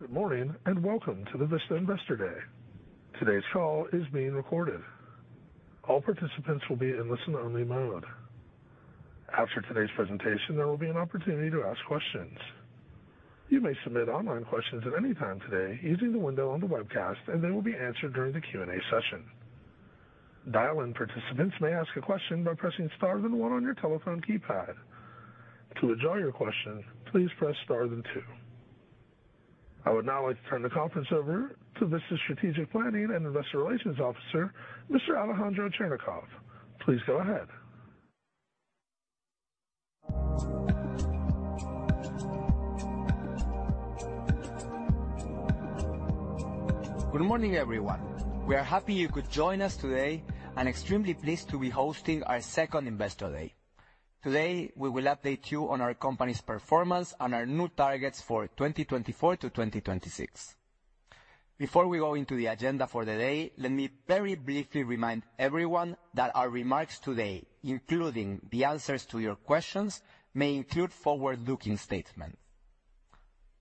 Good morning, and welcome to the Vista Investor Day. Today's call is being recorded. All participants will be in listen-only mode. After today's presentation, there will be an opportunity to ask questions. You may submit online questions at any time today using the window on the webcast, and they will be answered during the Q&A session. Dial-in participants may ask a question by pressing star then one on your telephone keypad. To withdraw your question, please press star then two. I would now like to turn the conference over to Vista's Strategic Planning and Investor Relations Officer, Mr. Alejandro Cherñacov. Please go ahead. Good morning, everyone. We are happy you could join us today, and extremely pleased to be hosting our second Investor Day. Today, we will update you on our company's performance and our new targets for 2024-2026. Before we go into the agenda for the day, let me very briefly remind everyone that our remarks today, including the answers to your questions, may include forward-looking statements.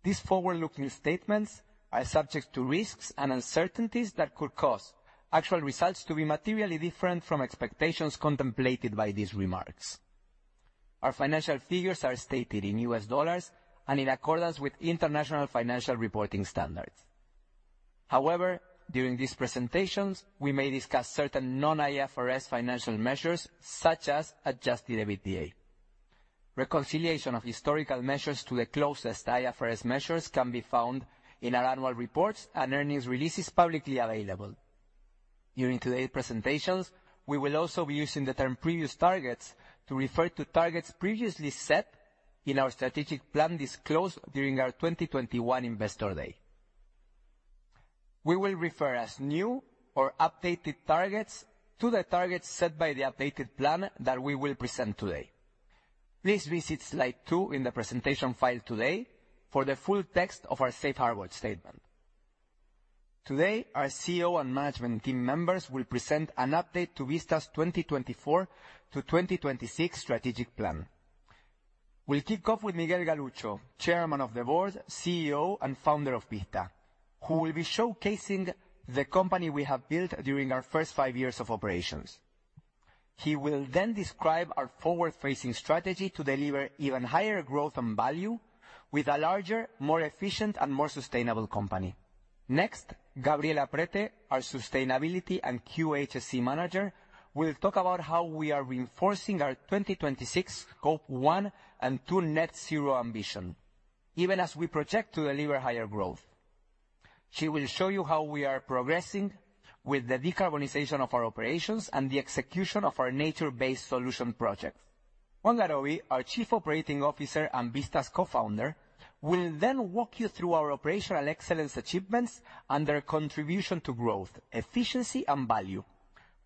These forward-looking statements are subject to risks and uncertainties that could cause actual results to be materially different from expectations contemplated by these remarks. Our financial figures are stated in U.S. dollars and in accordance with International Financial Reporting Standards. However, during these presentations, we may discuss certain non-IFRS adjusted EBITDA. reconciliation of historical measures to the closest IFRS measures can be found in our annual reports and earnings releases publicly available. During today's presentations, we will also be using the term previous targets to refer to targets previously set in our strategic plan disclosed during our 2021 Investor Day. We will refer as new or updated targets to the targets set by the updated plan that we will present today. Please visit slide 2 in the presentation file today for the full text of our safe harbor statement. Today, our CEO and management team members will present an update to Vista's 2024-2026 strategic plan. We'll kick off with Miguel Galuccio, Chairman of the Board, CEO, and Founder of Vista, who will be showcasing the company we have built during our first five years of operations. He will then describe our forward-facing strategy to deliver even higher growth and value with a larger, more efficient, and more sustainable company. Next, Gabriela Prete, our Sustainability and QHSE Manager, will talk about how we are reinforcing our 2026 Scope 1 and 2 Net Zero ambition, even as we project to deliver higher growth. She will show you how we are progressing with the decarbonization of our operations and the execution of our Nature-Based Solutions project. Juan Garoby, our Chief Operating Officer and Vista's Co-Founder, will then walk you through our operational excellence achievements and their contribution to growth, efficiency and value.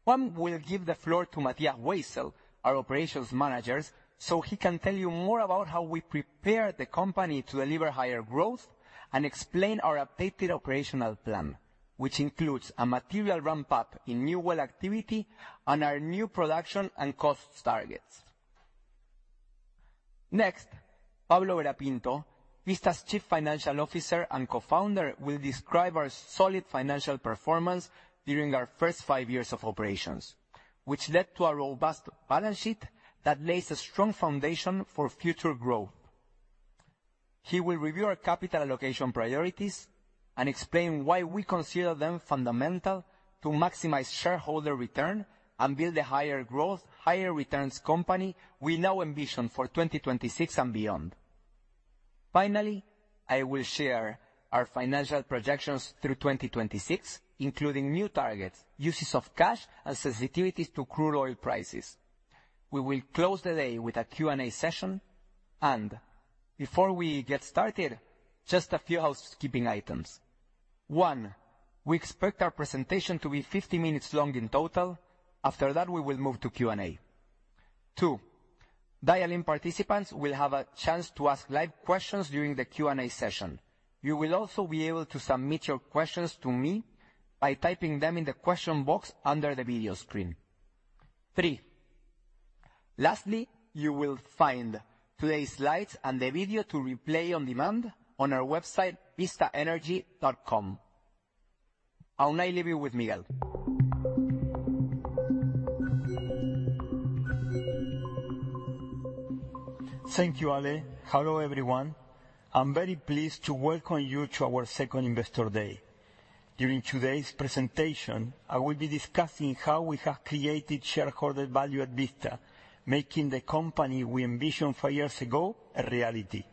Juan will give the floor to Matías Weissel, our Operations Manager, so he can tell you more about how we prepare the company to deliver higher growth and explain our updated operational plan, which includes a material ramp-up in new well activity and our new production and cost targets. Next, Pablo Vera Pinto, Vista's Chief Financial Officer and Co-Founder, will describe our solid financial performance during our first five years of operations, which led to a robust balance sheet that lays a strong foundation for future growth. He will review our capital allocation priorities and explain why we consider them fundamental to maximize shareholder return and build a higher growth, higher returns company we now envision for 2026 and beyond. Finally, I will share our financial projections through 2026, including new targets, uses of cash, and sensitivities to crude oil prices. We will close the day with a Q&A session, and before we get started, just a few housekeeping items. One, we expect our presentation to be 50 minutes long in total. After that, we will move to Q&A. Two, dial-in participants will have a chance to ask live questions during the Q&A session. You will also be able to submit your questions to me by typing them in the question box under the video screen. Three, lastly, you will find today's slides and the video to replay on demand on our website, vistaenergy.com. I'll now leave you with Miguel. Thank you, Ale. Hello, everyone. I'm very pleased to welcome you to our second Investor Day. During today's presentation, I will be discussing how we have created shareholder value at Vista, making the company we envisioned 5 years ago a reality.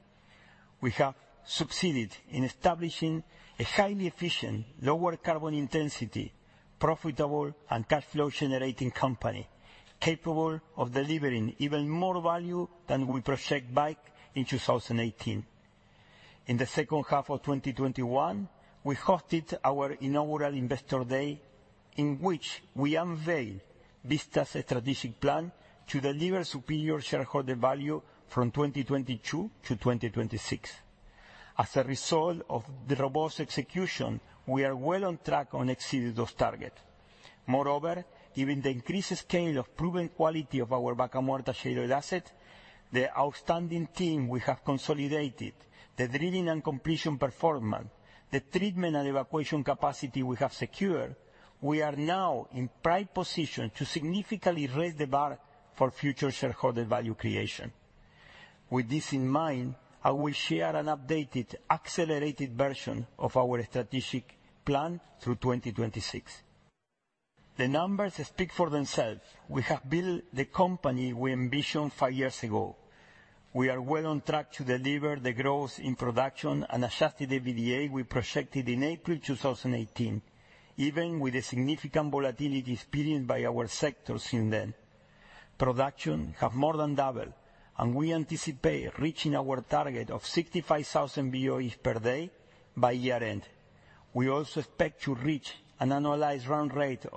We have succeeded in establishing a highly efficient, lower carbon intensity, profitable, and cash flow generating company, capable of delivering even more value than we project back in 2018. In the second half of 2021, we hosted our inaugural Investor Day, in which we unveiled Vista's strategic plan to deliver superior shareholder value from 2022 to 2026.... As a result of the robust execution, we are well on track on exceeding those target. Moreover, given the increased scale of proven quality of our Vaca Muerta shale asset, the outstanding team we have consolidated, the drilling and completion performance, the treatment and evacuation capacity we have secured, we are now in prime position to significantly raise the bar for future shareholder value creation. With this in mind, I will share an updated, accelerated version of our strategic plan through 2026. The numbers speak for themselves. We have built the company we envisioned five years ago. We are well on track to deliver the adjusted EBITDA we projected in april 2018, even with the significant volatility experienced by our sector since then. Production have more than doubled, and we anticipate reaching our target of 65,000 BOEs per day by year-end. We also expect to reach an annualized run adjusted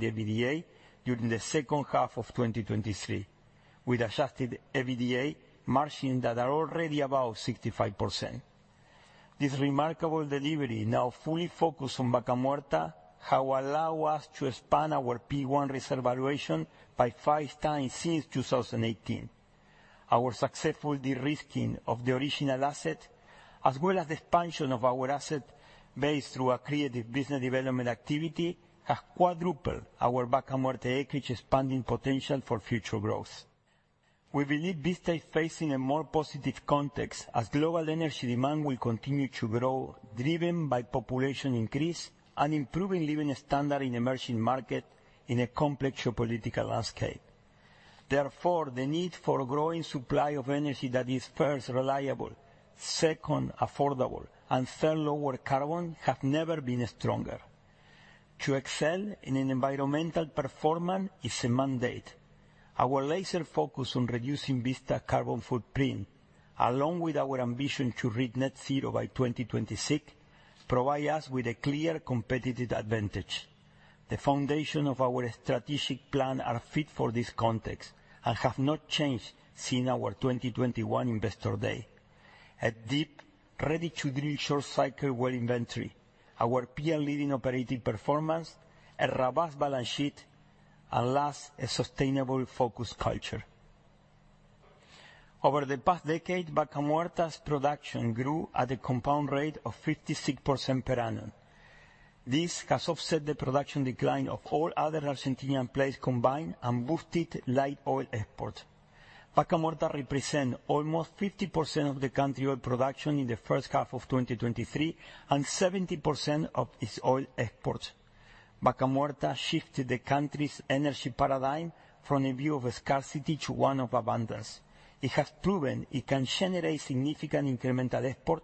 EBITDA margins that are already above 65%. This remarkable delivery, now fully focused on Vaca Muerta, have allowed us to expand our P1 reserve valuation by five times since 2018. Our successful de-risking of the original asset, as well as the expansion of our asset base through our creative business development activity, has quadrupled our Vaca Muerta acreage expanding potential for future growth. We believe Vista is facing a more positive context, as global energy demand will continue to grow, driven by population increase and improving living standard in emerging market in a complex geopolitical landscape. Therefore, the need for a growing supply of energy that is first, reliable, second, affordable, and third, lower carbon, have never been stronger. To excel in an environmental performance is a mandate. Our laser focus on reducing Vista carbon footprint, along with our ambition to reach net zero by 2026, provide us with a clear competitive advantage. The foundation of our strategic plan are fit for this context, and have not changed since our 2021 Investor Day. A deep, ready-to-drill short cycle well inventory, our peer and leading operating performance, a robust balance sheet, and last, a sustainable focused culture. Over the past decade, Vaca Muerta's production grew at a compound rate of 56% per annum. This has offset the production decline of all other Argentine plays combined and boosted light oil exports. Vaca Muerta represent almost 50% of the country oil production in the first half of 2023, and 70% of its oil exports. Vaca Muerta shifted the country's energy paradigm from a view of scarcity to one of abundance. It has proven it can generate significant incremental export,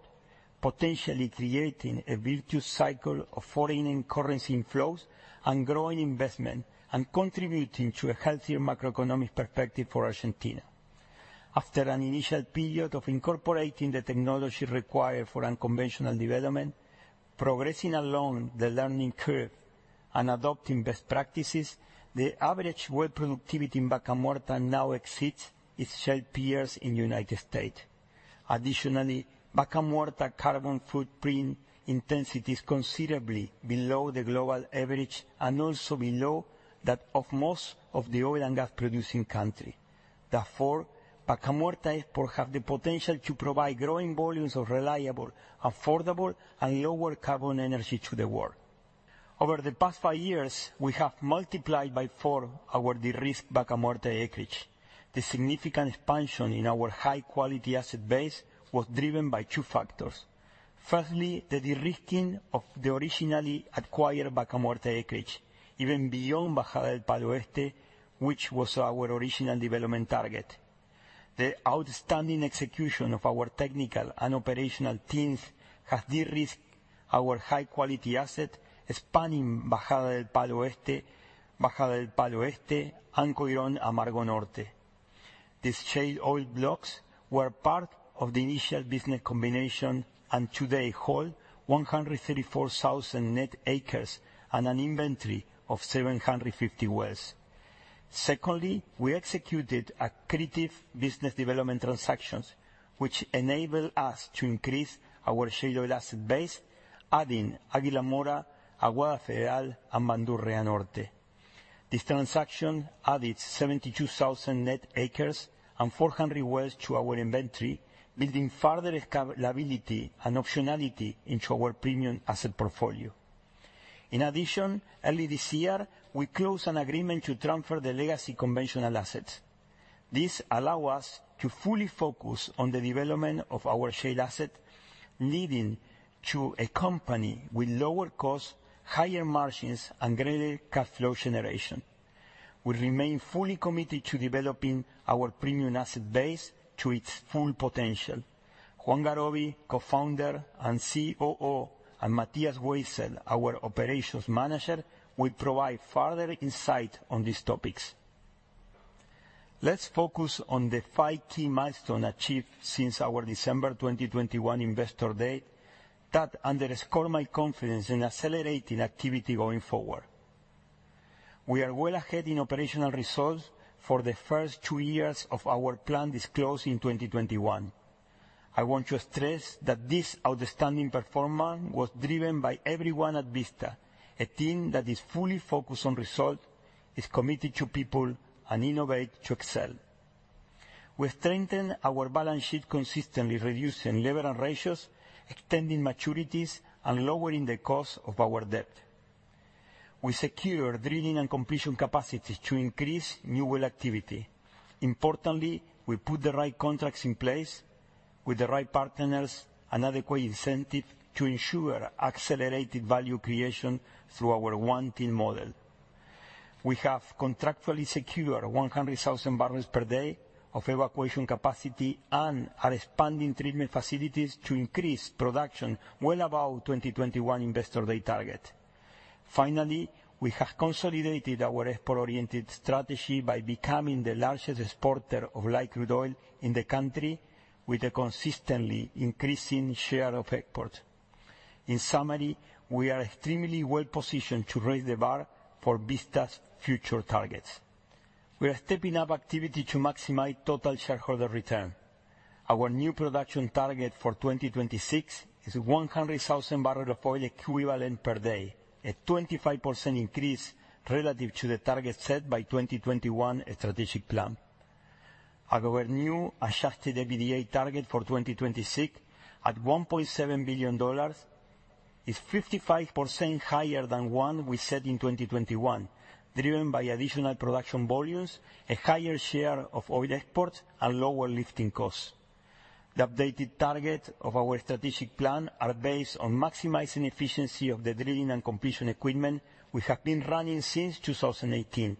potentially creating a virtuous cycle of foreign currency inflows and growing investment, and contributing to a healthier macroeconomic perspective for Argentina. After an initial period of incorporating the technology required for unconventional development, progressing along the learning curve and adopting best practices, the average well productivity in Vaca Muerta now exceeds its shale peers in United States. Additionally, Vaca Muerta carbon footprint intensity is considerably below the global average, and also below that of most of the oil and gas-producing country. Therefore, Vaca Muerta export have the potential to provide growing volumes of reliable, affordable, and lower carbon energy to the world. Over the past five years, we have multiplied by four our de-risked Vaca Muerta acreage. The significant expansion in our high-quality asset base was driven by two factors. Firstly, the de-risking of the originally acquired Vaca Muerta acreage, even beyond Bajada del Palo Oeste, which was our original development target. The outstanding execution of our technical and operational teams has de-risked our high-quality asset, expanding Bajada del Palo Oeste, Bajada del Palo Oeste, and Coirón Amargo Norte. These shale oil blocks were part of the initial business combination, and today hold 134,000 net acres and an inventory of 750 wells. Secondly, we executed accretive business development transactions, which enabled us to increase our shale oil asset base, adding Águila Mora, Aguada Federal, and Bandurria Norte. This transaction added 72,000 net acres and 400 wells to our inventory, building further scalability and optionality into our premium asset portfolio. In addition, early this year, we closed an agreement to transfer the legacy conventional assets. This allow us to fully focus on the development of our shale asset, leading to a company with lower cost, higher margins, and greater cash flow generation. We remain fully committed to developing our premium asset base to its full potential. Juan Garoby, co-founder and COO, and Matías Weissel, our operations manager, will provide further insight on these topics. Let's focus on the five key milestones achieved since our December 2021 Investor Day, that underscore my confidence in accelerating activity going forward.... We are well ahead in operational results for the first two years of our plan disclosed in 2021. I want to stress that this outstanding performance was driven by everyone at Vista, a team that is fully focused on results, is committed to people, and innovate to excel. We strengthen our balance sheet, consistently reducing leverage and ratios, extending maturities, and lowering the cost of our debt. We secure drilling and completion capacity to increase new well activity. Importantly, we put the right contracts in place with the right partners and adequate incentive to ensure accelerated value creation through our One Team Model. We have contractually secured 100,000 barrels per day of evacuation capacity and are expanding treatment facilities to increase production well above 2021 Investor Day target. Finally, we have consolidated our export-oriented strategy by becoming the largest exporter of light crude oil in the country, with a consistently increasing share of exports. In summary, we are extremely well positioned to raise the bar for Vista's future targets. We are stepping up activity to maximize total shareholder return. Our new production target for 2026 is 100,000 barrels of oil equivalent per day, a 25% increase relative to the target set by 2021 adjusted EBITDA target for 2026, at $1.7 billion, is 55% higher than the one we set in 2021, driven by additional production volumes, a higher share of oil exports, and lower lifting costs. The updated target of our strategic plan are based on maximizing efficiency of the drilling and completion equipment we have been running since 2018,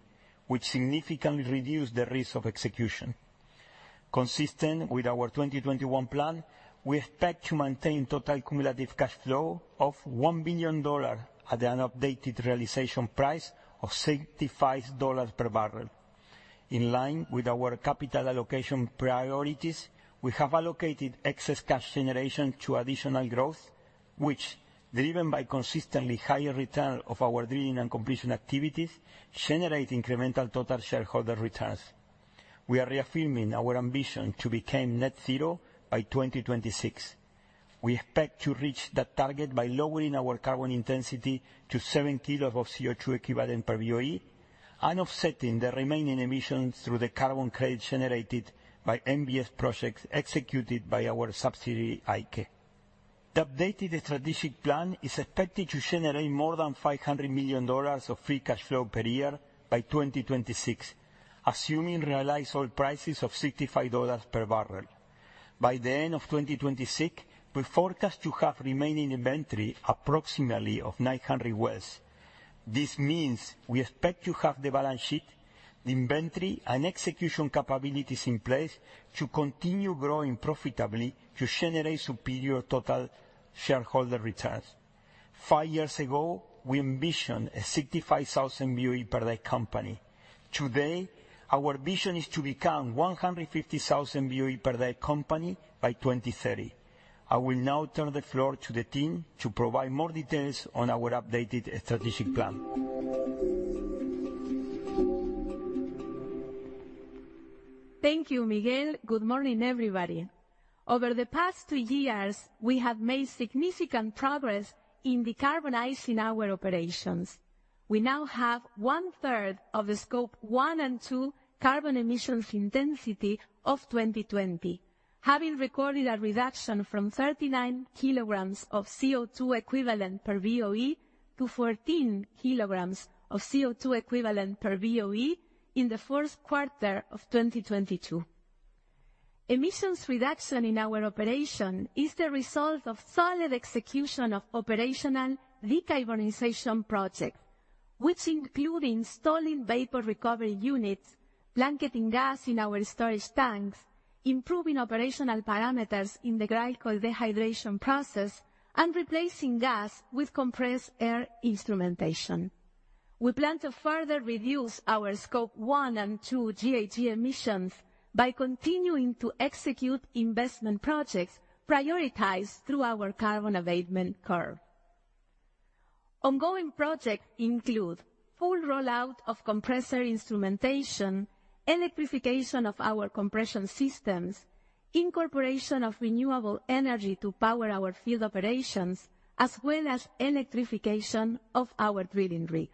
which significantly reduce the risk of execution. Consistent with our 2021 plan, we expect to maintain total cumulative cash flow of $1 billion at an updated realization price of $65 per barrel. In line with our capital allocation priorities, we have allocated excess cash generation to additional growth, which, driven by consistently higher return of our drilling and completion activities, generate incremental total shareholder returns. We are reaffirming our ambition to become net zero by 2026. We expect to reach that target by lowering our carbon intensity to 7 kg of CO2 equivalent per BOE and offsetting the remaining emissions through the carbon credits generated by NBS projects executed by our subsidiary, Aike. The updated strategic plan is expected to generate more than $500 million of free cash flow per year by 2026, assuming realized oil prices of $65 per barrel. By the end of 2026, we forecast to have remaining inventory approximately of 900 wells. This means we expect to have the balance sheet, the inventory, and execution capabilities in place to continue growing profitably to generate superior total shareholder returns. Five years ago, we envisioned a 65,000 BOE per day company. Today, our vision is to become a 150,000 BOE per day company by 2030. I will now turn the floor to the team to provide more details on our updated strategic plan. Thank you, Miguel. Good morning, everybody. Over the past 2 years, we have made significant progress in decarbonizing our operations. We now have one third of the Scope 1 and 2 carbon emissions intensity of 2020, having recorded a reduction from 39 kilograms of CO2 equivalent per BOE to 14 kilograms of CO2 equivalent per BOE in the first quarter of 2022. Emissions reduction in our operation is the result of solid execution of operational decarbonization projects, which include installing vapor recovery units, blanketing gas in our storage tanks, improving operational parameters in the glycol dehydration process, and replacing gas with compressed air instrumentation. We plan to further reduce our Scope 1 and 2 GHG emissions by continuing to execute investment projects prioritized through our Carbon Abatement Curve. Ongoing projects include full rollout of compressor instrumentation, electrification of our compression systems, incorporation of renewable energy to power our field operations, as well as electrification of our drilling rig.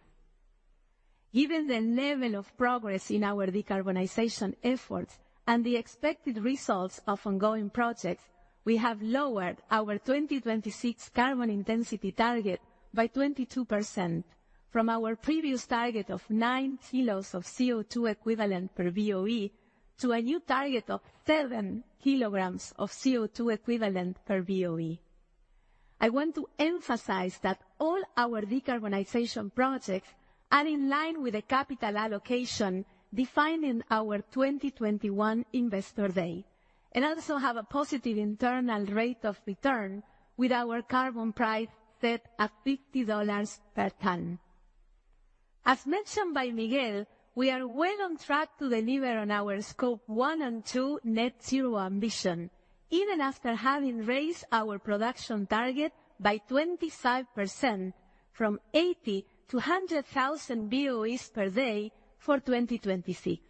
Given the level of progress in our decarbonization efforts and the expected results of ongoing projects, we have lowered our 2026 carbon intensity target by 22%, from our previous target of 9 kilos of CO2 equivalent per BOE to a new target of 7 kilograms of CO2 equivalent per BOE. I want to emphasize that all our decarbonization projects are in line with the capital allocation defined in our 2021 Investor Day, and also have a positive internal rate of return with our carbon price set at $50 per ton. As mentioned by Miguel, we are well on track to deliver on our Scope 1 and 2 Net Zero ambition, even after having raised our production target by 25% from 80,000 to 100,000 BOEs per day for 2026.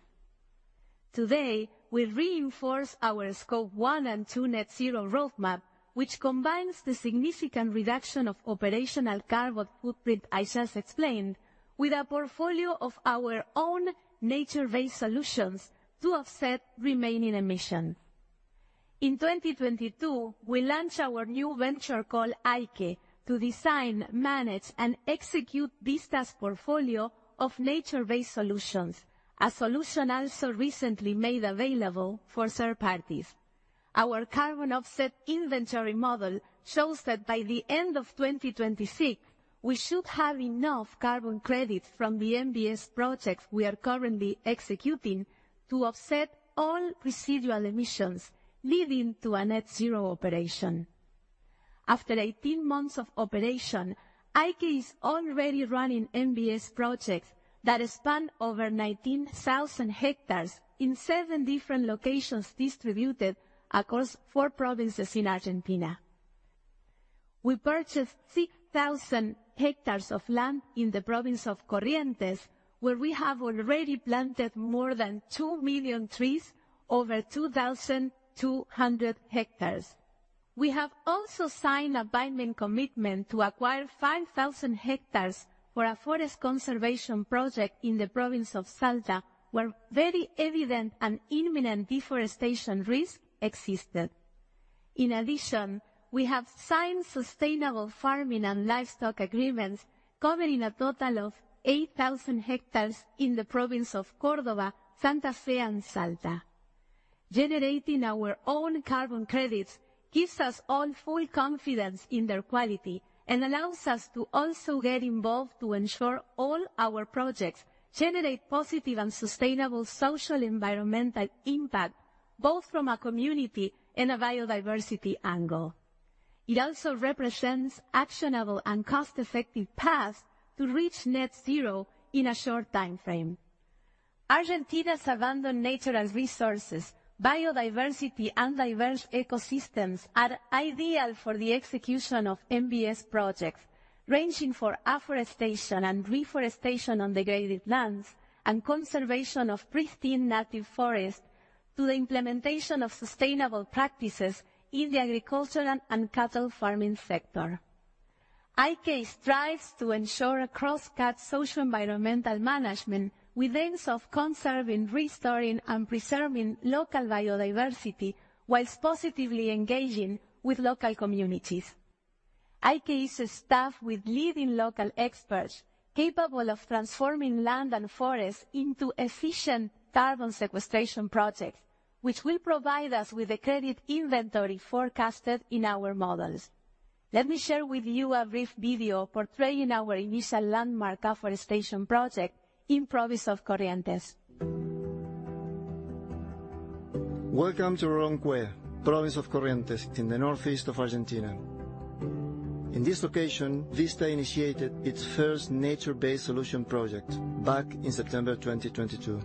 Today, we reinforce our Scope 1 and 2 Net Zero roadmap, which combines the significant reduction of operational carbon footprint I just explained, with a portfolio of our own nature-based solutions to offset remaining emissions. In 2022, we launched our new venture called Aike, to design, manage, and execute Vista's portfolio of nature-based solutions, a solution also recently made available for third parties. Our carbon offset inventory model shows that by the end of 2026, we should have enough carbon credits from the NBS projects we are currently executing to offset all residual emissions, leading to a Net Zero operation. After 18 months of operation, Aike is already running NBS projects that span over 19,000 hectares in seven different locations, distributed across four provinces in Argentina. We purchased 6,000 hectares of land in the province of Corrientes, where we have already planted more than 2 million trees over 2,200 hectares. We have also signed a binding commitment to acquire 5,000 hectares for a forest conservation project in the province of Salta, where very evident and imminent deforestation risk existed. In addition, we have signed sustainable farming and livestock agreements covering a total of 8,000 hectares in the province of Córdoba, Santa Fe, and Salta. Generating our own carbon credits gives us all full confidence in their quality, and allows us to also get involved to ensure all our projects generate positive and sustainable social environmental impact, both from a community and a biodiversity angle. It also represents actionable and cost-effective paths to reach net zero in a short time frame. Argentina's abundant natural resources, biodiversity, and diverse ecosystems are ideal for the execution of NBS projects, ranging from afforestation and reforestation on degraded lands and conservation of pristine native forest, to the implementation of sustainable practices in the agricultural and cattle farming sector. Aike strives to ensure cross-cut social environmental management, with aims of conserving, restoring, and preserving local biodiversity while positively engaging with local communities. Aike is staffed with leading local experts, capable of transforming land and forest into efficient carbon sequestration projects, which will provide us with a credit inventory forecasted in our models. Let me share with you a brief video portraying our initial landmark afforestation project in province of Corrientes. Welcome to Rolón Cué, province of Corrientes, in the northeast of Argentina. In this location, Vista initiated its first nature-based solution project back in September 2022.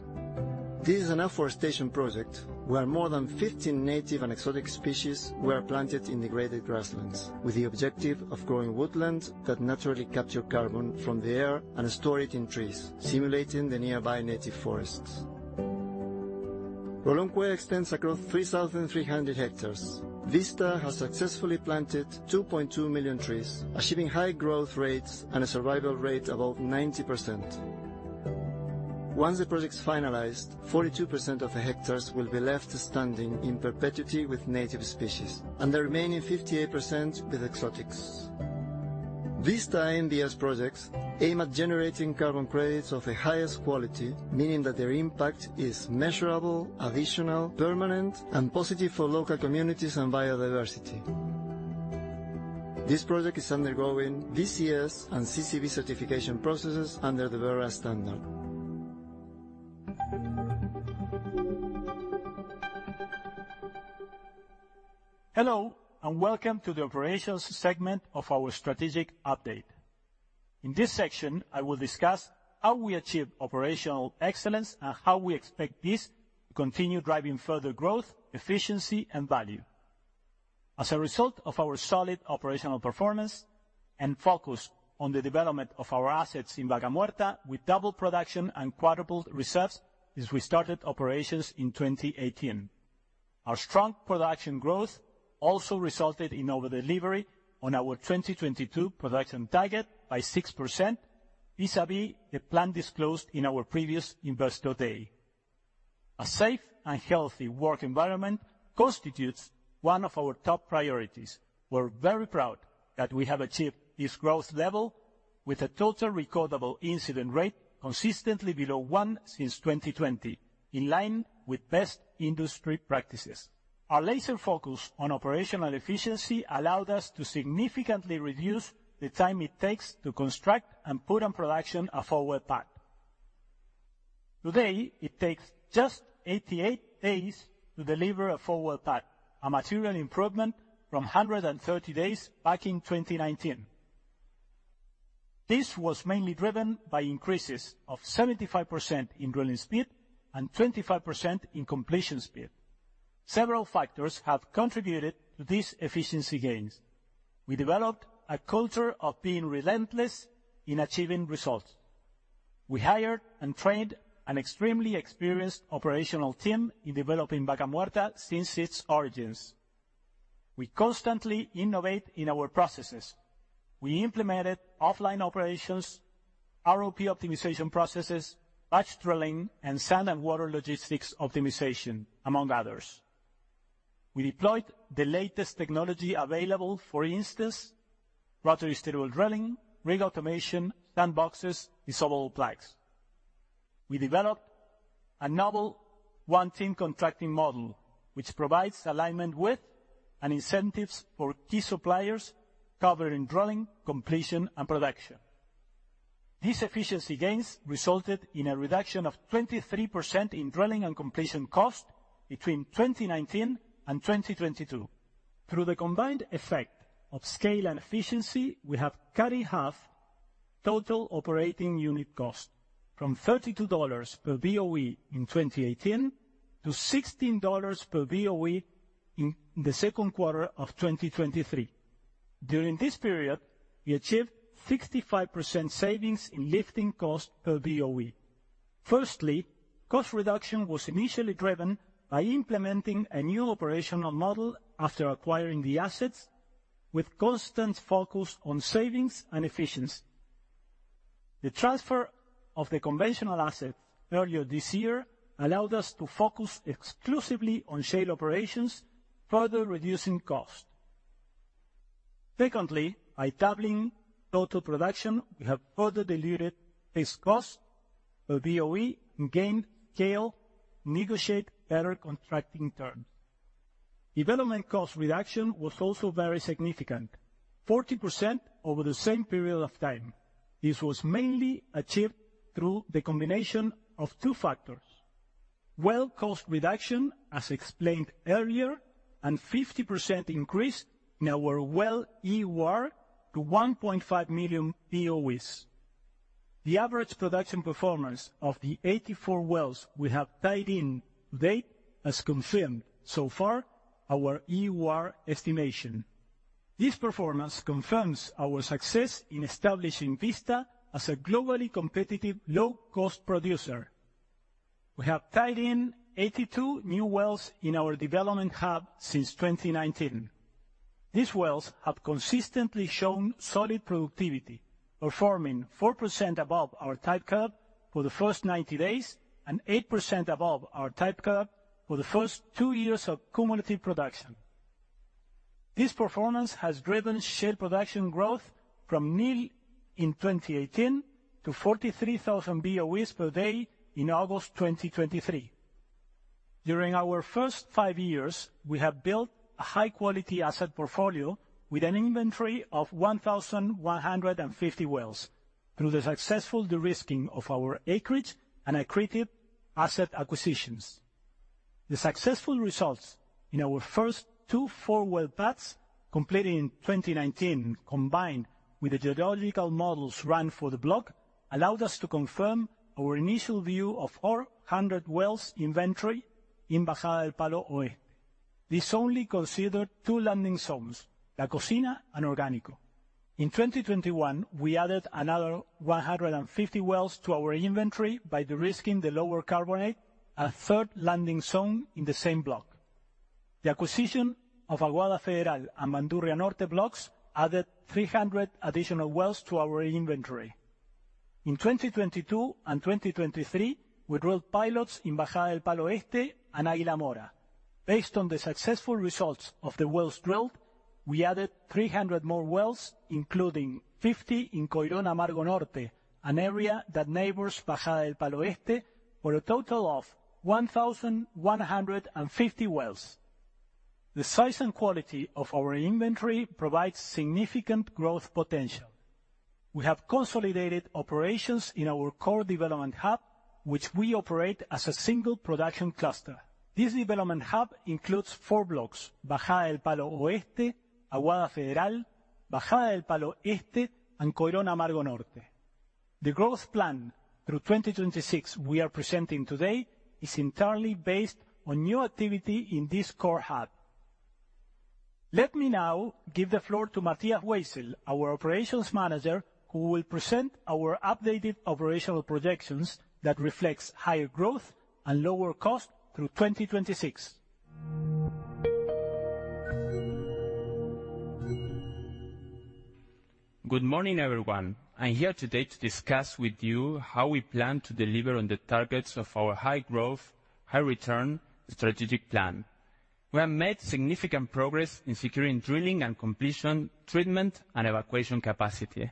This is an afforestation project, where more than 15 native and exotic species were planted in degraded grasslands, with the objective of growing woodlands that naturally capture carbon from the air and store it in trees, simulating the nearby native forests. Rolón Cué extends across 3,300 hectares. Vista has successfully planted 2.2 million trees, achieving high growth rates and a survival rate above 90%. Once the project is finalized, 42% of the hectares will be left standing in perpetuity with native species, and the remaining 58% with exotics. Vista NBS projects aim at generating carbon credits of the highest quality, meaning that their impact is measurable, additional, permanent, and positive for local communities and biodiversity. This project is undergoing VCS and CCB certification processes under the Verra standard. Hello, and welcome to the operations segment of our strategic update. In this section, I will discuss how we achieve operational excellence and how we expect this to continue driving further growth, efficiency, and value. As a result of our solid operational performance and focus on the development of our assets in Vaca Muerta, we doubled production and quadrupled reserves since we started operations in 2018. Our strong production growth also resulted in over-delivery on our 2022 production target by 6% vis-a-vis the plan disclosed in our previous Investor Day. A safe and healthy work environment constitutes one of our top priorities. We're very proud that we have achieved this growth level with a total recordable incident rate consistently below 1 since 2020, in line with best industry practices. Our laser focus on operational efficiency allowed us to significantly reduce the time it takes to construct and put in production a forward pad. Today, it takes just 88 days to deliver a forward pad, a material improvement from 130 days back in 2019. This was mainly driven by increases of 75% in drilling speed and 25% in completion speed.... Several factors have contributed to these efficiency gains. We developed a culture of being relentless in achieving results. We hired and trained an extremely experienced operational team in developing Vaca Muerta since its origins. We constantly innovate in our processes. We implemented offline operations, ROP optimization processes, batch drilling, and sand and water logistics optimization, among others. We deployed the latest technology available, for instance, rotary steerable drilling, rig automation, sandboxes, dissolvable plugs. We developed a novel One Team contracting model, which provides alignment with and incentives for key suppliers covering drilling, completion, and production. These efficiency gains resulted in a reduction of 23% in drilling and completion cost between 2019 and 2022. Through the combined effect of scale and efficiency, we have cut in half total operating unit cost from $32 per BOE in 2018 to $16 per BOE in the second quarter of 2023. During this period, we achieved 65% savings in lifting costs per BOE. Firstly, cost reduction was initially driven by implementing a new operational model after acquiring the assets, with constant focus on savings and efficiency. The transfer of the conventional asset earlier this year allowed us to focus exclusively on shale operations, further reducing cost. Secondly, by doubling total production, we have further diluted fixed cost per BOE and gained scale, negotiate better contracting terms. Development cost reduction was also very significant, 40% over the same period of time. This was mainly achieved through the combination of two factors: well cost reduction, as explained earlier, and 50% increase in our well EUR to 1.5 million BOEs. The average production performance of the 84 wells we have tied in to date has confirmed so far our EUR estimation. This performance confirms our success in establishing Vista as a globally competitive, low-cost producer. We have tied in 82 new wells in our development hub since 2019. These wells have consistently shown solid productivity, performing 4% above our type curve for the first 90 days and 8% above our type curve for the first 2 years of cumulative production. This performance has driven shale production growth from nil in 2018 to 43,000 BOEs per day in August 2023. During our first five years, we have built a high-quality asset portfolio with an inventory of 1,150 wells through the successful de-risking of our acreage and accretive asset acquisitions. The successful results in our first two 4-well pads, completed in 2019, combined with the geological models ran for the block, allowed us to confirm our initial view of 400 wells inventory in Bajada del Palo Oeste. This only considered two landing zones, La Cocina and Orgánico. In 2021, we added another 150 wells to our inventory by de-risking the Lower Carbonate, a third landing zone in the same block. The acquisition of Aguada Federal and Bandurria Norte blocks added 300 additional wells to our inventory. In 2022 and 2023, we drilled pilots in Bajada del Palo Oeste and Águila Mora. Based on the successful results of the wells drilled, we added 300 more wells, including 50 in Coirón Amargo Norte, an area that neighbors Bajada del Palo Oeste, for a total of 1,150 wells. The size and quality of our inventory provides significant growth potential. We have consolidated operations in our core development hub, which we operate as a single production cluster. This development hub includes four blocks: Bajada del Palo Oeste, Aguada Federal, Bajada del Palo Oeste, and Coirón Amargo Norte. The growth plan through 2026 we are presenting today is entirely based on new activity in this core hub. Let me now give the floor to Matías Weissel, our operations manager, who will present our updated operational projections that reflects higher growth and lower cost through 2026. Good morning, everyone. I'm here today to discuss with you how we plan to deliver on the targets of our high growth, high return strategic plan. We have made significant progress in securing drilling and completion, treatment, and evacuation capacity.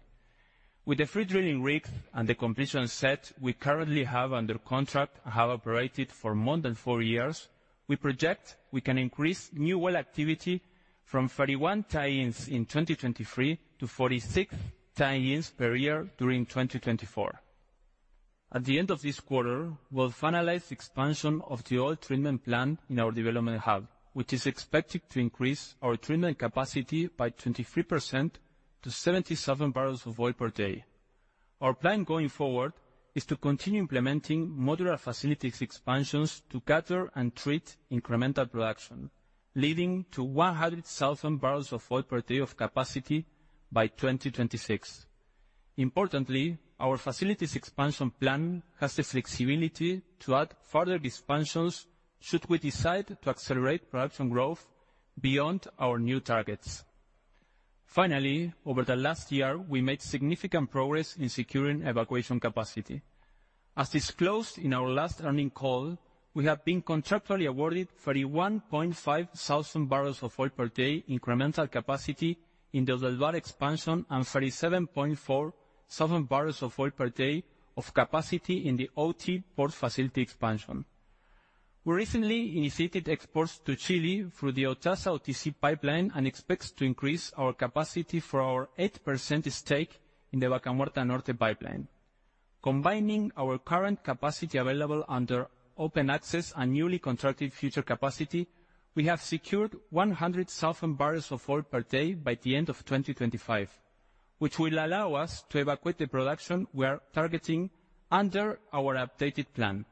With the free drilling rig and the completion set we currently have under contract and have operated for more than 4 years, we project we can increase new well activity from 31 tie-ins in 2023 to 46 tie-ins per year during 2024. At the end of this quarter, we'll finalize the expansion of the oil treatment plant in our development hub, which is expected to increase our treatment capacity by 23% to 77 barrels of oil per day.... Our plan going forward is to continue implementing modular facilities expansions to gather and treat incremental production, leading to 100,000 barrels of oil per day of capacity by 2026. Importantly, our facilities expansion plan has the flexibility to add further expansions, should we decide to accelerate production growth beyond our new targets. Finally, over the last year, we made significant progress in securing evacuation capacity. As disclosed in our last earnings call, we have been contractually awarded 31.5 thousand barrels of oil per day incremental capacity in the Oldelval expansion, and 37.4 thousand barrels of oil per day of capacity in the OT port facility expansion. We recently initiated exports to Chile through the OTASA OTC pipeline, and expect to increase our capacity for our 8% stake in the Vaca Muerta Norte pipeline. Combining our current capacity available under open access and newly contracted future capacity, we have secured 100,000 barrels of oil per day by the end of 2025, which will allow us to evacuate the production we are targeting under our updated plan.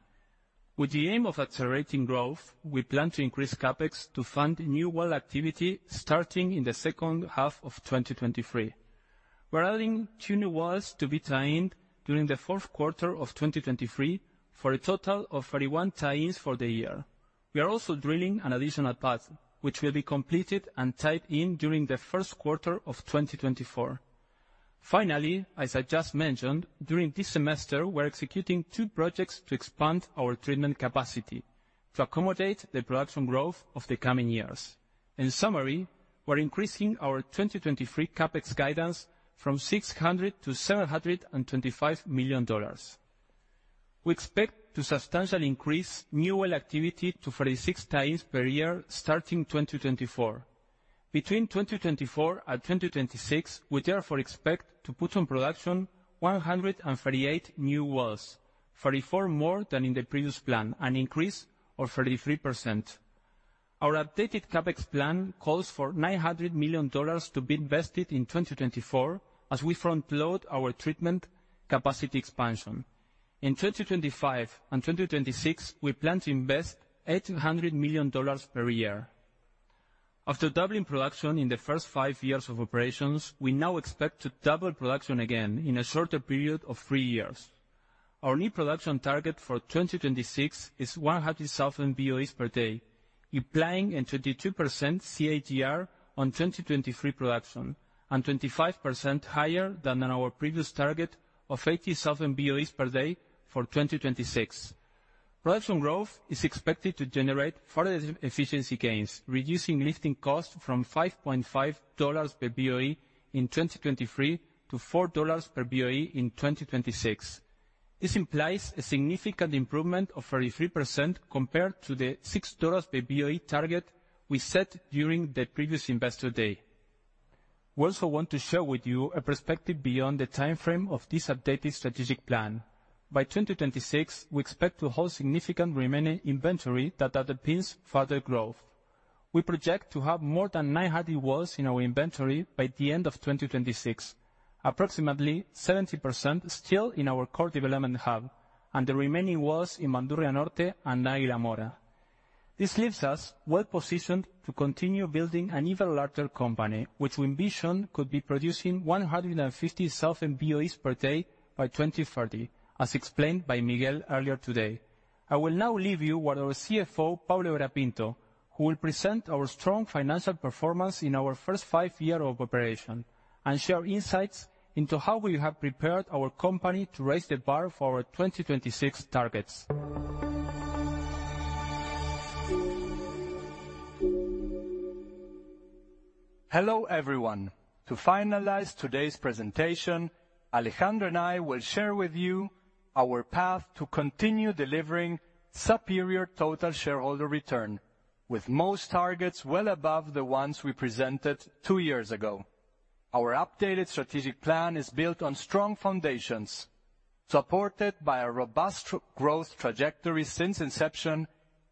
With the aim of accelerating growth, we plan to increase CapEx to fund new well activity starting in the second half of 2023. We're adding 2 new wells to be tied in during the fourth quarter of 2023, for a total of 31 tie-ins for the year. We are also drilling an additional path, which will be completed and tied in during the first quarter of 2024. Finally, as I just mentioned, during this semester, we're executing 2 projects to expand our treatment capacity to accommodate the production growth of the coming years. In summary, we're increasing our 2023 CapEx guidance from $600 million to $725 million. We expect to substantially increase new well activity to 36 tie-ins per year, starting 2024. Between 2024 and 2026, we therefore expect to put on production 138 new wells, 34 more than in the previous plan, an increase of 33%. Our updated CapEx plan calls for $900 million to be invested in 2024, as we front-load our treatment capacity expansion. In 2025 and 2026, we plan to invest $800 million per year. After doubling production in the first five years of operations, we now expect to double production again in a shorter period of three years. Our new production target for 2026 is 100,000 BOEs per day, implying a 22% CAGR on 2023 production, and 25% higher than our previous target of 80,000 BOEs per day for 2026. Production growth is expected to generate further efficiency gains, reducing lifting costs from $5.5 per BOE in 2023 to $4 per BOE in 2026. This implies a significant improvement of 33% compared to the $6 per BOE target we set during the previous Investor Day. We also want to share with you a perspective beyond the timeframe of this updated strategic plan. By 2026, we expect to hold significant remaining inventory that underpins further growth. We project to have more than 900 wells in our inventory by the end of 2026, approximately 70% still in our core development hub, and the remaining wells in Bandurria Norte and Águila Mora. This leaves us well-positioned to continue building an even larger company, which we envision could be producing 150 thousand BOEs per day by 2030, as explained by Miguel earlier today. I will now leave you with our CFO, Pablo Vera Pinto, who will present our strong financial performance in our first five years of operation, and share insights into how we have prepared our company to raise the bar for our 2026 targets. Hello, everyone. To finalize today's presentation, Alejandro and I will share with you our path to continue delivering superior total shareholder return, with most targets well above the ones we presented two years ago. Our updated strategic plan is built on strong foundations, supported by a robust growth trajectory since inception.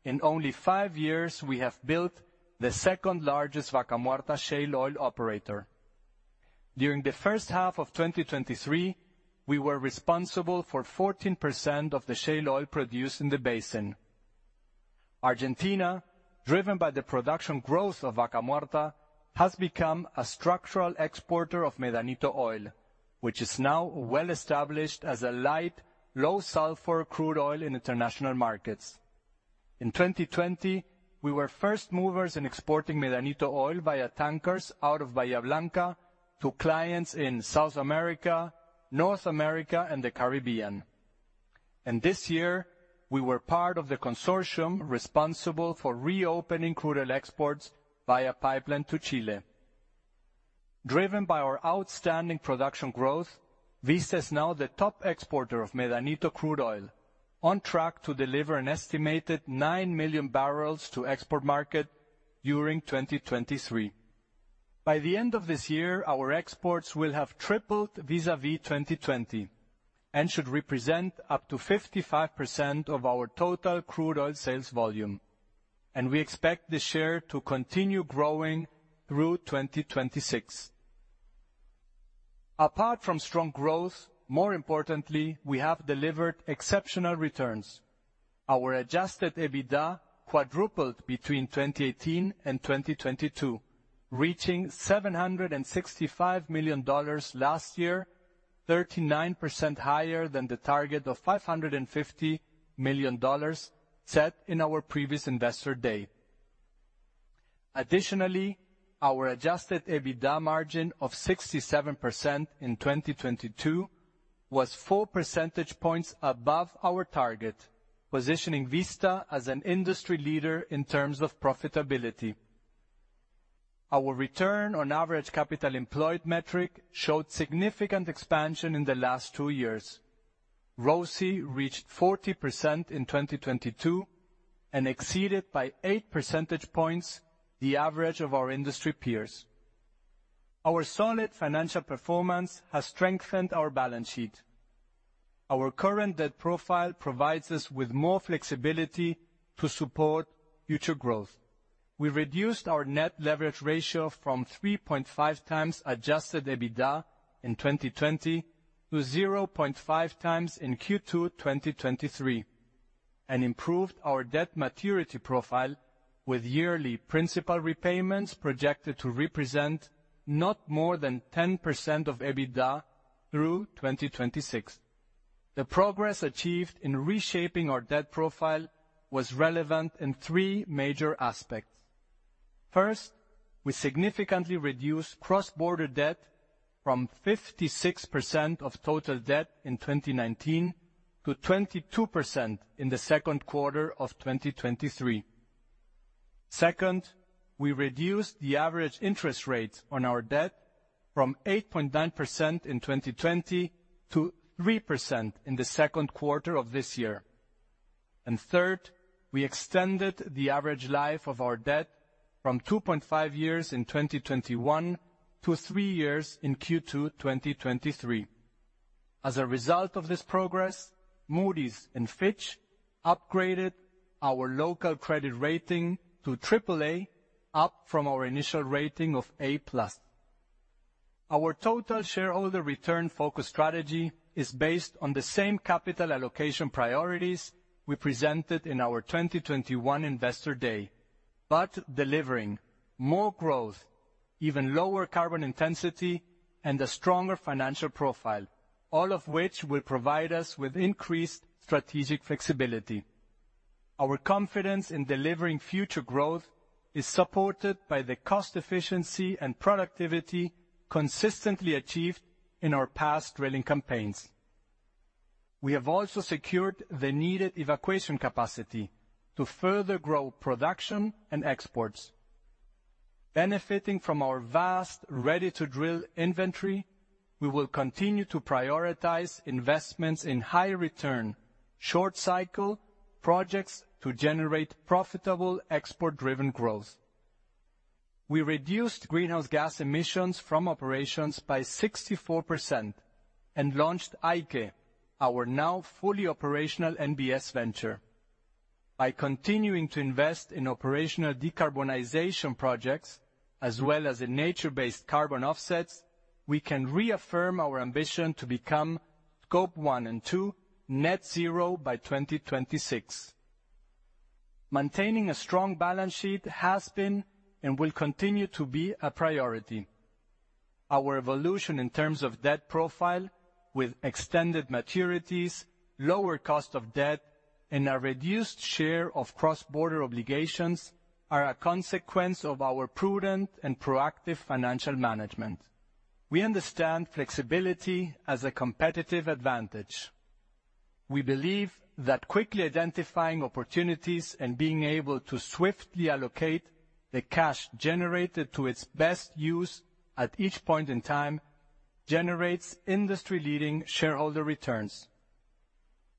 In only five years, we have built the second-largest Vaca Muerta shale oil operator. During the first half of 2023, we were responsible for 14% of the shale oil produced in the basin. Argentina, driven by the production growth of Vaca Muerta, has become a structural exporter of Medanito oil, which is now well-established as a light, low sulfur crude oil in international markets. In 2020, we were first movers in exporting Medanito oil via tankers out of Bahía Blanca to clients in South America, North America, and the Caribbean. This year, we were part of the consortium responsible for reopening crude oil exports via pipeline to Chile. Driven by our outstanding production growth, Vista is now the top exporter of Medanito crude oil, on track to deliver an estimated 9 million barrels to export market during 2023. By the end of this year, our exports will have tripled vis-à-vis 2020, and should represent up to 55% of our total crude oil sales volume... and we expect this share to continue growing through 2026. Apart from strong growth, more importantly, we have adjusted EBITDA quadrupled between 2018 and 2022, reaching $765 million last year, 39% higher than the target of $550 million set in our previous Investor Day. adjusted EBITDA margin of 67% in 2022 was 4 percentage points above our target, positioning Vista as an industry leader in terms of profitability. Our return on average capital employed metric showed significant expansion in the last two years. ROCE reached 40% in 2022 and exceeded by 8 percentage points the average of our industry peers. Our solid financial performance has strengthened our balance sheet. Our current debt profile provides us with more flexibility to support future growth. We reduced our net leverage adjusted EBITDA in 2020 to 0.5 times in Q2 2023, and improved our debt maturity profile with yearly principal repayments projected to represent not more than 10% of EBITDA through 2026. The progress achieved in reshaping our debt profile was relevant in three major aspects. First, we significantly reduced cross-border debt from 56% of total debt in 2019 to 22% in the second quarter of 2023. Second, we reduced the average interest rate on our debt from 8.9% in 2020 to 3% in the second quarter of this year. And third, we extended the average life of our debt from 2.5 years in 2021 to 3 years in Q2 2023. As a result of this progress, Moody's and Fitch upgraded our local credit rating to AAA, up from our initial rating of A+. Our total shareholder return-focused strategy is based on the same capital allocation priorities we presented in our 2021 Investor Day, but delivering more growth, even lower carbon intensity, and a stronger financial profile, all of which will provide us with increased strategic flexibility. Our confidence in delivering future growth is supported by the cost efficiency and productivity consistently achieved in our past drilling campaigns. We have also secured the needed evacuation capacity to further grow production and exports. Benefiting from our vast ready-to-drill inventory, we will continue to prioritize investments in high return, short cycle projects to generate profitable export-driven growth. We reduced greenhouse gas emissions from operations by 64% and launched Aike, our now fully operational NBS venture. By continuing to invest in operational decarbonization projects as well as in nature-based carbon offsets, we can reaffirm our ambition to become Scope 1 and 2 Net Zero by 2026. Maintaining a strong balance sheet has been and will continue to be a priority. Our evolution in terms of debt profile with extended maturities, lower cost of debt, and a reduced share of cross-border obligations are a consequence of our prudent and proactive financial management. We understand flexibility as a competitive advantage. We believe that quickly identifying opportunities and being able to swiftly allocate the cash generated to its best use at each point in time generates industry-leading shareholder returns.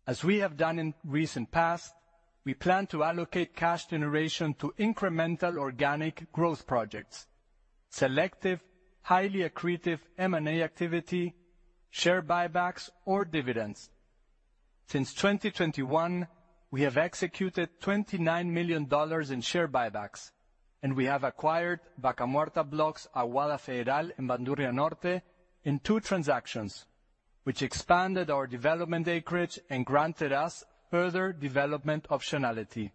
As we have done in recent past, we plan to allocate cash generation to incremental organic growth projects, selective, highly accretive M&A activity, share buybacks or dividends. Since 2021, we have executed $29 million in share buybacks, and we have acquired Vaca Muerta blocks Aguada Federal and Bandurria Norte in two transactions, which expanded our development acreage and granted us further development optionality.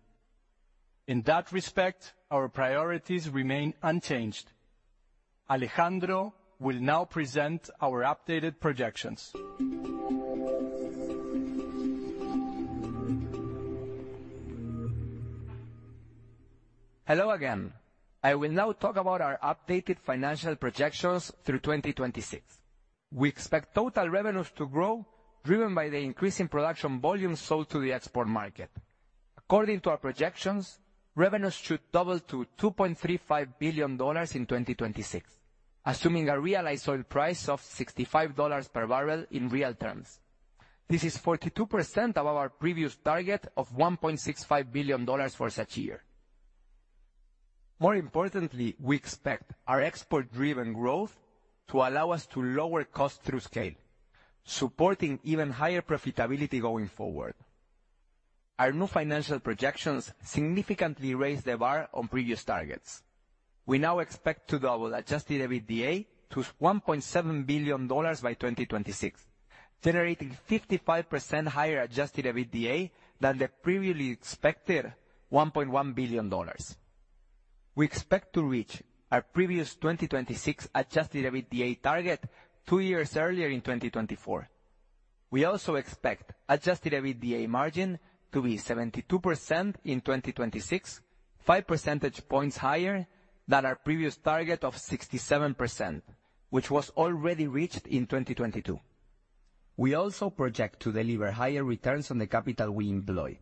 In that respect, our priorities remain unchanged. Alejandro will now present our updated projections. Hello again. I will now talk about our updated financial projections through 2026. We expect total revenues to grow, driven by the increasing production volume sold to the export market. According to our projections, revenues should double to $2.35 billion in 2026, assuming a realized oil price of $65 per barrel in real terms. This is 42% of our previous target of $1.65 billion for such year.... More importantly, we expect our export-driven growth to allow us to lower costs through scale, supporting even higher profitability going forward. Our new financial projections significantly raise the bar on previous targets. We adjusted EBITDA to $1.7 billion by adjusted EBITDA than the previously expected $1.1 billion. We expect to adjusted EBITDA target 2 years earlier in adjusted EBITDA margin to be 72% in 2026, 5 percentage points higher than our previous target of 67%, which was already reached in 2022. We also project to deliver higher returns on the capital we employ.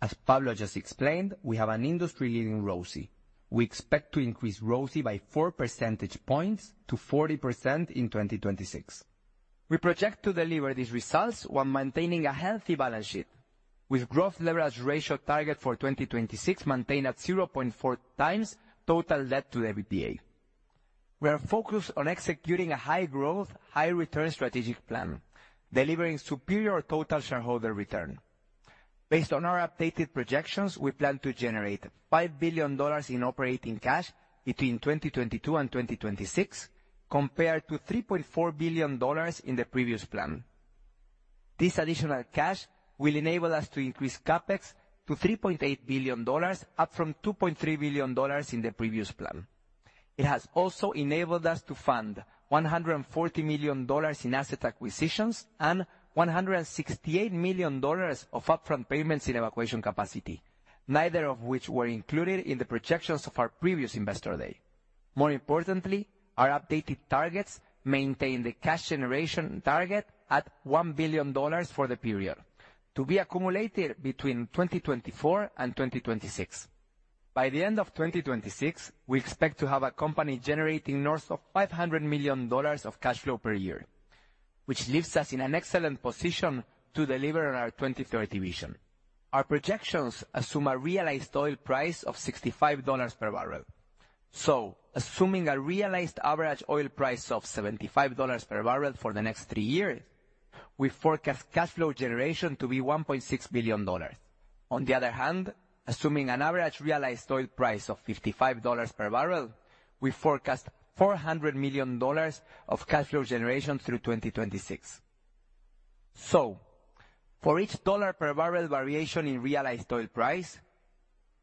As Pablo just explained, we have an industry-leading ROCE. We expect to increase ROCE by 4 percentage points to 40% in 2026. We project to deliver these results while maintaining a healthy balance sheet, with growth leverage ratio target for 2026 maintained at 0.4 times total debt to the EBITDA. We are focused on executing a high-growth, high-return strategic plan, delivering superior total shareholder return. Based on our updated projections, we plan to generate $5 billion in operating cash between 2022 and 2026, compared to $3.4 billion in the previous plan. This additional cash will enable us to increase CapEx to $3.8 billion, up from $2.3 billion in the previous plan. It has also enabled us to fund $140 million in asset acquisitions and $168 million of upfront payments in evacuation capacity, neither of which were included in the projections of our previous Investor Day. More importantly, our updated targets maintain the cash generation target at $1 billion for the period, to be accumulated between 2024 and 2026. By the end of 2026, we expect to have a company generating north of $500 million of cash flow per year, which leaves us in an excellent position to deliver on our 2030 vision. Our projections assume a realized oil price of $65 per barrel. So assuming a realized average oil price of $75 per barrel for the next three years, we forecast cash flow generation to be $1.6 billion. On the other hand, assuming an average realized oil price of $55 per barrel, we forecast $400 million of cash flow generation through 2026. So for each $1 per barrel variation in realized oil price,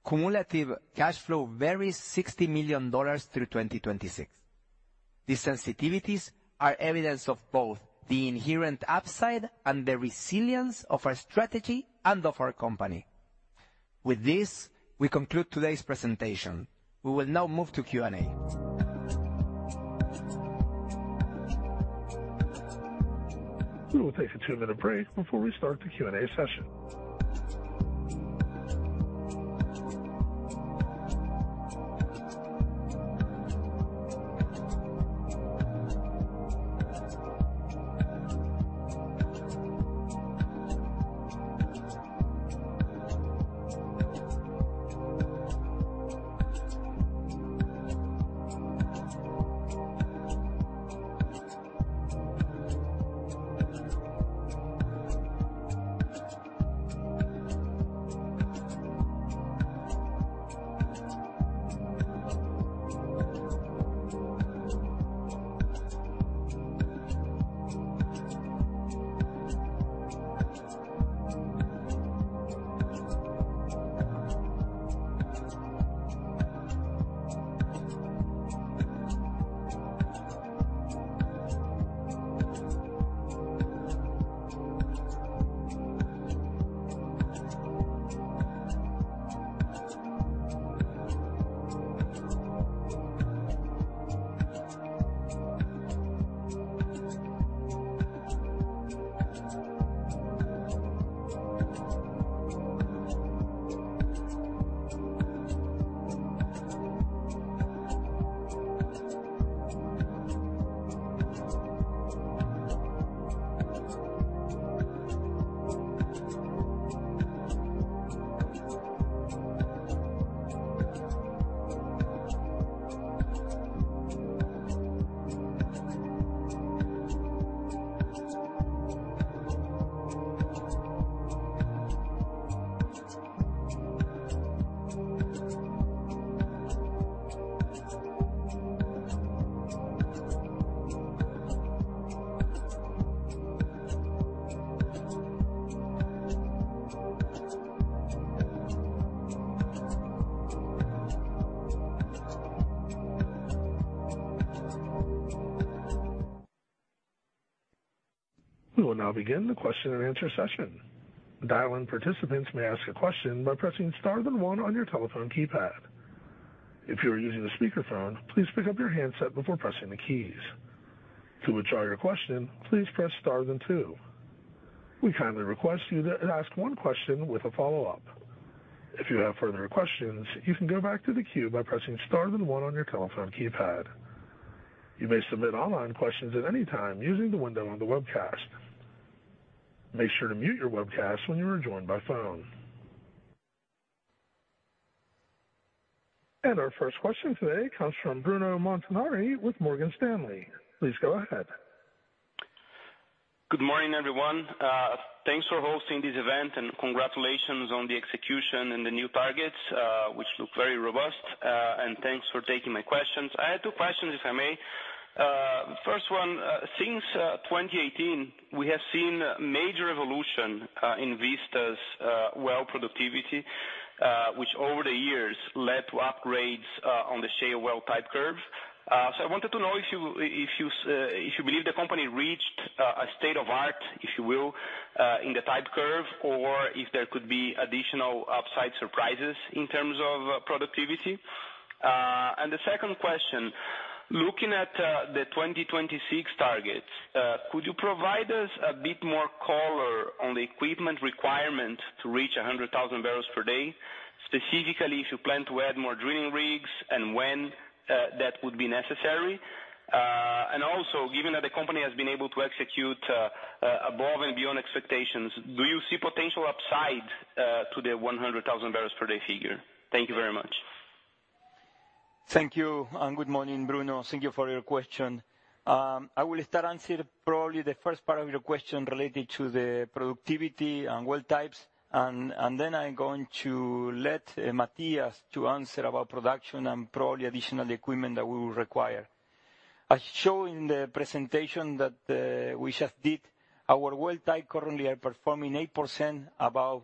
cumulative cash flow varies $60 million through 2026. These sensitivities are evidence of both the inherent upside and the resilience of our strategy and of our company. With this, we conclude today's presentation. We will now move to Q&A. We will take a two-minute break before we start the Q&A session. We will now begin the question and answer session. Dial-in participants may ask a question by pressing star then one on your telephone keypad. If you are using a speakerphone, please pick up your handset before pressing the keys. To withdraw your question, please press star then two. We kindly request you to ask one question with a follow-up. If you have further questions, you can go back to the queue by pressing star then one on your telephone keypad. You may submit online questions at any time using the window on the webcast. Make sure to mute your webcast when you are joined by phone. Our first question today comes from Bruno Montanari with Morgan Stanley. Please go ahead. Good morning, everyone. Thanks for hosting this event, and congratulations on the execution and the new targets, which look very robust. Thanks for taking my questions. I have two questions, if I may. First one, since 2018, we have seen a major evolution in Vista's well productivity, which over the years led to upgrades on the shale well type curves. So I wanted to know if you believe the company reached a state-of-the-art, if you will, in the type curve, or if there could be additional upside surprises in terms of productivity? And the second question: Looking at the 2026 targets, could you provide us a bit more color on the equipment requirement to reach 100,000 barrels per day? Specifically, if you plan to add more drilling rigs and when that would be necessary. Also, given that the company has been able to execute above and beyond expectations, do you see potential upside to the 100,000 barrels per day figure? Thank you very much. Thank you, and good morning, Bruno. Thank you for your question. I will start answering probably the first part of your question related to the productivity and well types, and then I'm going to let Matías to answer about production and probably additional equipment that we will require. As shown in the presentation that we just did, our well type currently are performing 8% above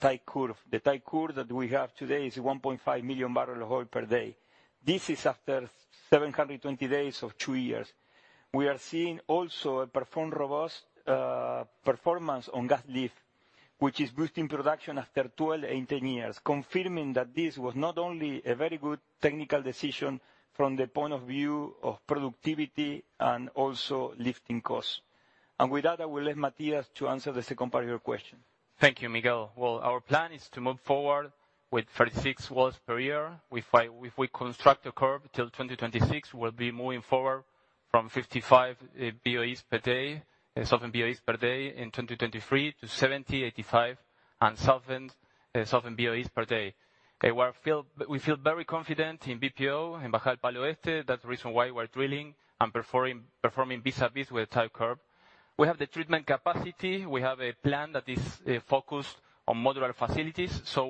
type curve. The type curve that we have today is 1.5 million barrel oil per day. This is after 720 days of two years. We are seeing also a robust performance on gas lift, which is boosting production after 12 and 10 years, confirming that this was not only a very good technical decision from the point of view of productivity and also lifting costs. With that, I will let Matías to answer the second part of your question. Thank you, Miguel. Well, our plan is to move forward with 36 wells per year. If we construct a curve till 2026, we'll be moving forward from 55 thousand BOE per day in 2023 to 70, 85, and 100 thousand BOE per day. Okay. We feel very confident in Bajada del Palo Oeste. That's the reason why we're drilling and performing vis-a-vis with type curve. We have the treatment capacity. We have a plan that is focused on modular facilities, so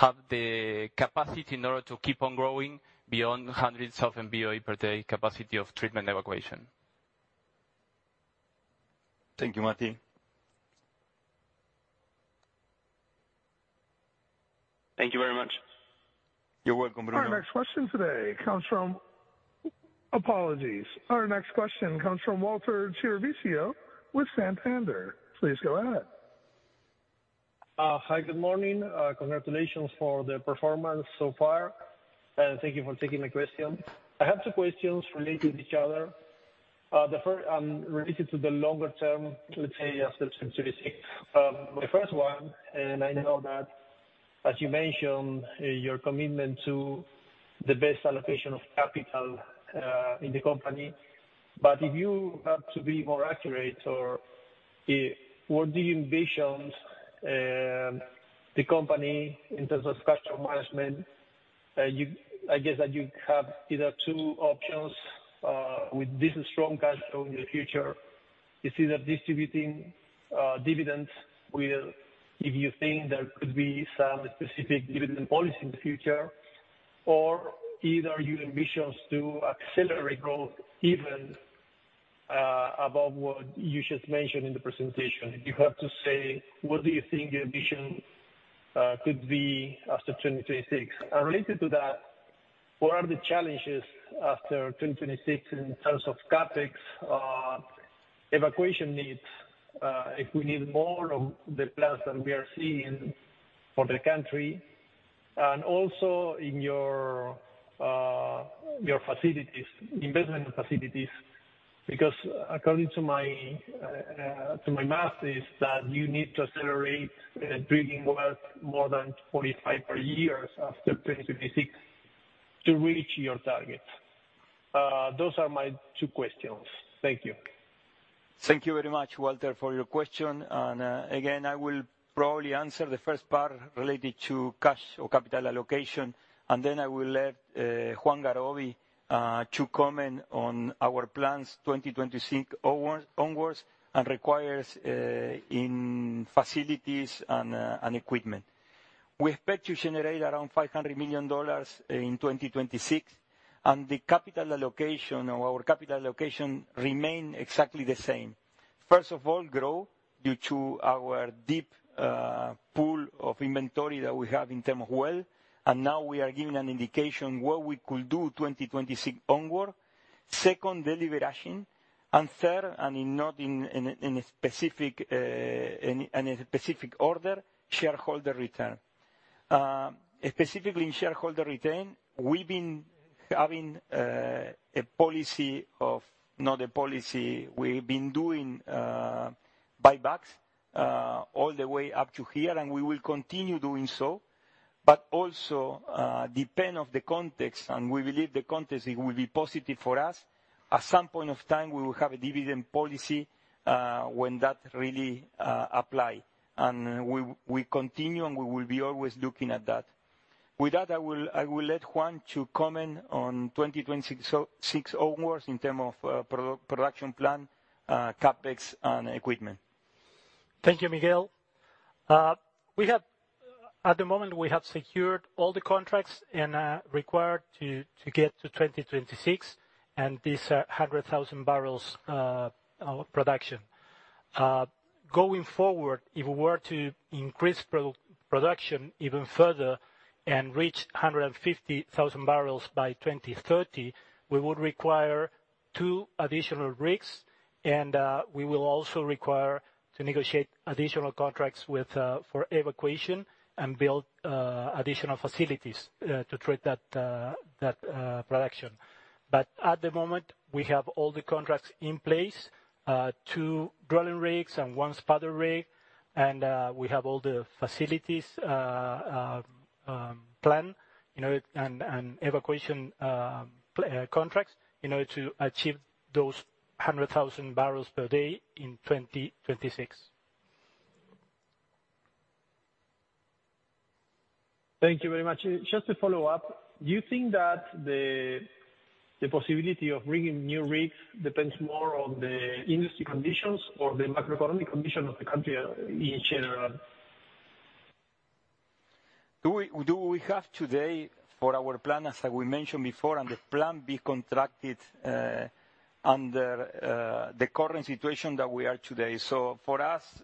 we have the capacity in order to keep on growing beyond 100 thousand BOE per day capacity of treatment evacuation. Thank you, Mati. Thank you very much. You're welcome, Bruno. Our next question today comes from... Apologies. Our next question comes from Walter Chiarvesio with Santander. Please go ahead. Hi, good morning. Congratulations for the performance so far, and thank you for taking my question. I have two questions related to each other. The first, related to the longer term, let's say, after 2026. My first one, and I know that, as you mentioned, your commitment to the best allocation of capital, in the company. But if you have to be more accurate, or, what do you envision, the company in terms of cash flow management? You—I guess that you have either two options, with this strong cash flow in the future. It's either distributing, dividends with, if you think there could be some specific dividend policy in the future, or either you ambitions to accelerate growth even, above what you just mentioned in the presentation. If you have to say, what do you think your ambition could be after 2026? Related to that, what are the challenges after 2026 in terms of CapEx, evacuation needs, if we need more of the plants that we are seeing for the country, and also in your facilities, investment facilities? Because according to my math, is that you need to accelerate drilling wells more than 45 per year after 2026 to reach your target. Those are my two questions. Thank you. Thank you very much, Walter, for your question, and again, I will probably answer the first part related to cash or capital allocation, and then I will let Juan Garoby to comment on our plans 2026 onwards and requirements in facilities and equipment. We expect to generate around $500 million in 2026, and the capital allocation or our capital allocation remain exactly the same. First of all, growth due to our deep pool of inventory that we have in terms of wells, and now we are giving an indication what we could do 2026 onward. Second, deleveraging, and third, and not in a specific order, shareholder return. Specifically in shareholder return, we've been having a policy of... Not a policy. We've been doing buybacks all the way up to here, and we will continue doing so, but also depend on the context, and we believe the context it will be positive for us. At some point of time, we will have a dividend policy when that really apply, and we continue, and we will be always looking at that. With that, I will let Juan to comment on 2026, so 6 onwards in term of production plan, CapEx, and equipment. Thank you, Miguel. We have, at the moment, secured all the contracts and required to get to 2026, and this 100,000 barrels production. Going forward, if we were to increase production even further and reach 150,000 barrels by 2030, we would require two additional rigs, and we will also require to negotiate additional contracts with for evacuation and build additional facilities to treat that production. But at the moment, we have all the contracts in place, two drilling rigs and one spudder rig, and we have all the facilities planned, you know, and evacuation contracts in order to achieve those 100,000 barrels per day in 2026. Thank you very much. Just to follow up, do you think that the possibility of bringing new rigs depends more on the industry conditions or the macroeconomic condition of the country in general? Do we have today for our plan, as I mentioned before, and the plan be contracted under the current situation that we are today. So for us,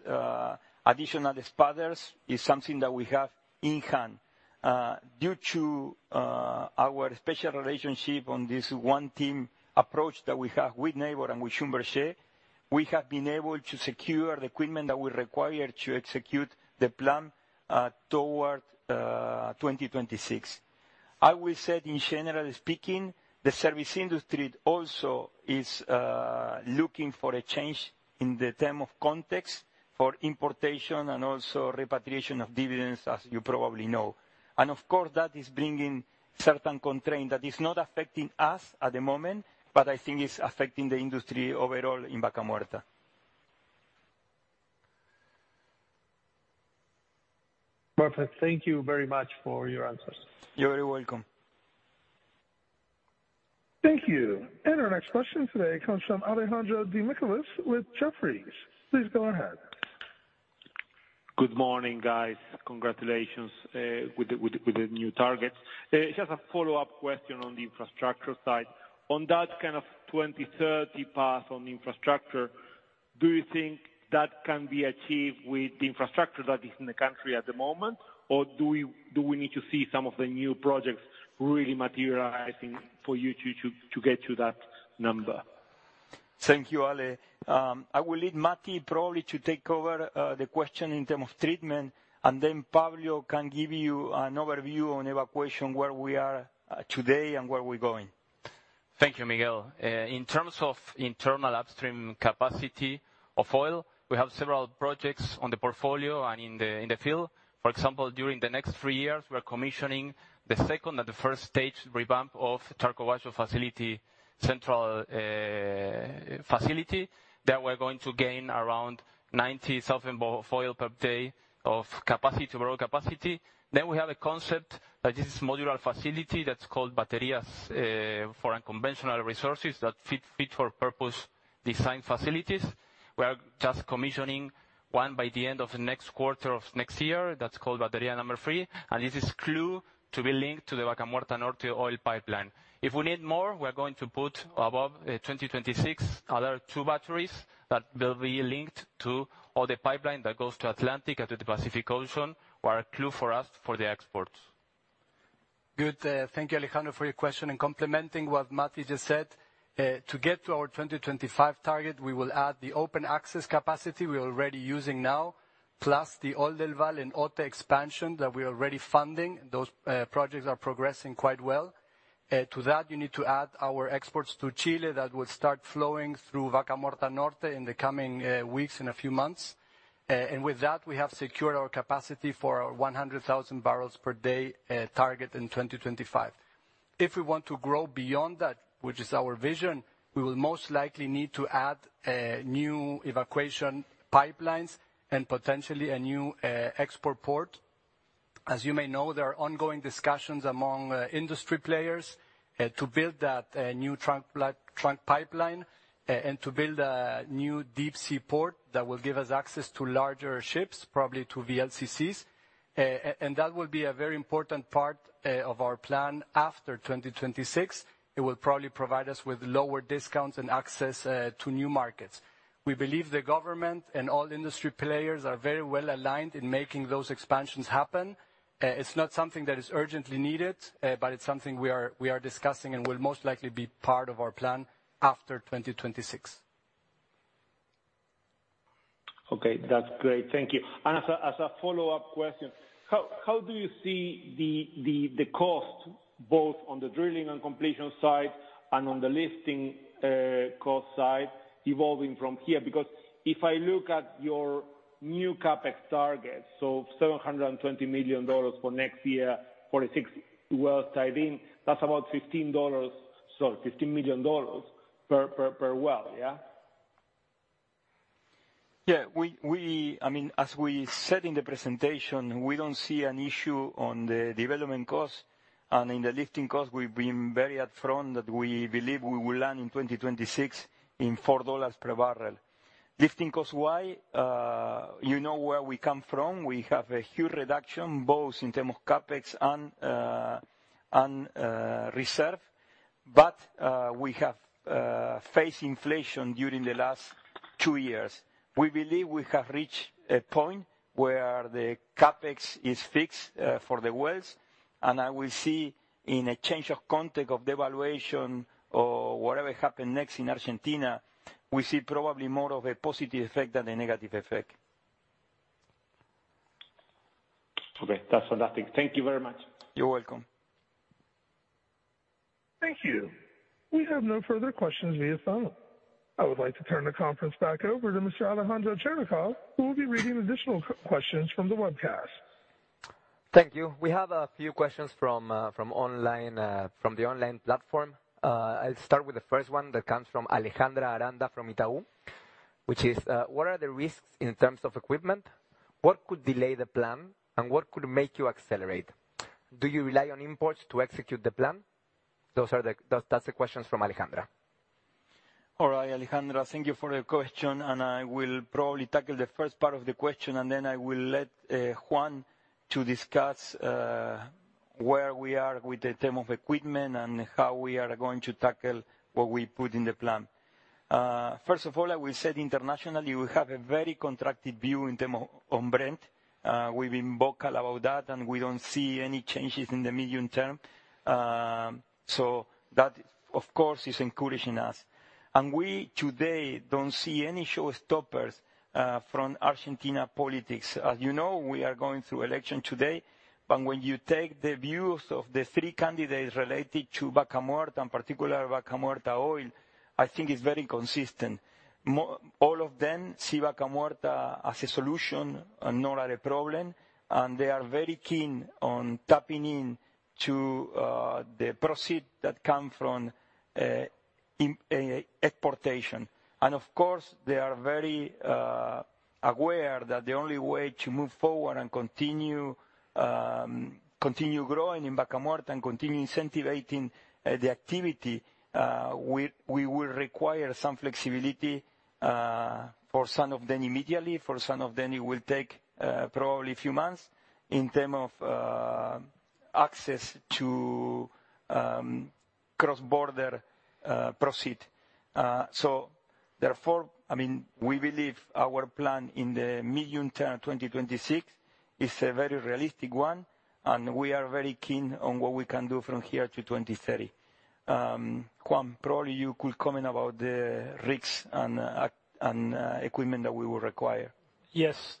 additional spuds is something that we have in hand. Due to our special relationship on this One Team approach that we have with Nabors and with Schlumberger, we have been able to secure the equipment that we require to execute the plan toward 2026. I will say, in general speaking, the service industry also is looking for a change in the terms of contracts for importation and also repatriation of dividends, as you probably know. And of course, that is bringing certain constraint that is not affecting us at the moment, but I think it's affecting the industry overall in Vaca Muerta. Perfect. Thank you very much for your answers. You're very welcome. Thank you. Our next question today comes from Alejandro Demichelis with Jefferies. Please go ahead. Good morning, guys. Congratulations with the new targets. Just a follow-up question on the infrastructure side. On that kind of 2030 path on infrastructure, do you think that can be achieved with the infrastructure that is in the country at the moment? Or do we need to see some of the new projects really materializing for you to get to that number? Thank you, Ale. I will leave Mati probably to take over the question in terms of treatment, and then Pablo can give you an overview on evacuation, where we are today and where we're going. Thank you, Miguel. In terms of internal upstream capacity of oil, we have several projects on the portfolio and in the field. For example, during the next three years, we're commissioning the second and the first stage revamp of Charco Bayo facility, central facility, that we're going to gain around 90,000 oil per day of capacity, raw capacity. Then we have a concept that is modular facility that's called baterías for unconventional resources that fit for purpose design facilities. We are just commissioning one by the end of the next quarter of next year. That's called Batería number three, and this is due to be linked to the Vaca Muerta Norte pipeline. If we need more, we are going to put above 2026 other two batteries that will be linked to all the pipeline that goes to the Atlantic and to the Pacific Ocean, will be crucial for us for the exports. Good. Thank you, Alejandro, for your question. Complementing what Mati just said, to get to our 2025 target, we will add the open access capacity we're already using now, plus the Oldelval and OT expansion that we are already funding. Those projects are progressing quite well. To that, you need to add our exports to Chile that will start flowing through Vaca Muerta Norte in the coming weeks, in a few months. And with that, we have secured our capacity for our 100,000 barrels per day target in 2025. If we want to grow beyond that, which is our vision, we will most likely need to add new evacuation pipelines and potentially a new export port. As you may know, there are ongoing discussions among industry players to build that new trunk pipeline and to build a new deep sea port that will give us access to larger ships, probably to VLCCs. And that will be a very important part of our plan after 2026. It will probably provide us with lower discounts and access to new markets. We believe the government and all industry players are very well aligned in making those expansions happen. It's not something that is urgently needed, but it's something we are discussing and will most likely be part of our plan after 2026. Okay, that's great. Thank you. As a follow-up question, how do you see the cost, both on the drilling and completion side and on the lifting cost side evolving from here? Because if I look at your new CapEx target, so $720 million for next year, 46 wells tied in, that's about $15 million per well, yeah? Yeah, we, I mean, as we said in the presentation, we don't see an issue on the development cost and in the lifting cost. We've been very upfront that we believe we will land in 2026 in $4 per barrel lifting cost, why? You know where we come from. We have a huge reduction, both in terms of CapEx and reserve, but we have faced inflation during the last two years. We believe we have reached a point where the CapEx is fixed for the wells, and I will see in a change of context of the evaluation or whatever happened next in Argentina, we see probably more of a positive effect than a negative effect. Okay, that's fantastic. Thank you very much. You're welcome. Thank you. We have no further questions via phone. I would like to turn the conference back over to Mr. Alejandro Cherñacov, who will be reading additional questions from the webcast. Thank you. We have a few questions from, from online, from the online platform. I'll start with the first one that comes from Alejandra Aranda, from Itaú, which is: What are the risks in terms of equipment? What could delay the plan, and what could make you accelerate? Do you rely on imports to execute the plan? Those are the... That's, that's the questions from Alejandra. All right, Alejandra, thank you for your question, and I will probably tackle the first part of the question, and then I will let Juan to discuss where we are with the term of equipment and how we are going to tackle what we put in the plan. First of all, I will say internationally, we have a very contracted view in term of on Brent. We've been vocal about that, and we don't see any changes in the medium term. So that, of course, is encouraging us. And we today don't see any showstoppers from Argentina politics. As you know, we are going through election today, but when you take the views of the three candidates related to Vaca Muerta, and particularly Vaca Muerta oil, I think it's very consistent. All of them see Vaca Muerta as a solution and not as a problem, and they are very keen on tapping into the proceeds that come from exportation. And of course, they are very aware that the only way to move forward and continue growing in Vaca Muerta and continue incentivizing the activity, we will require some flexibility for some of them immediately. For some of them, it will take probably a few months in terms of access to cross-border proceeds. So therefore, I mean, we believe our plan in the medium term, 2026, is a very realistic one, and we are very keen on what we can do from here to 2030. Juan, probably you could comment about the risks and equipment that we will require. Yes.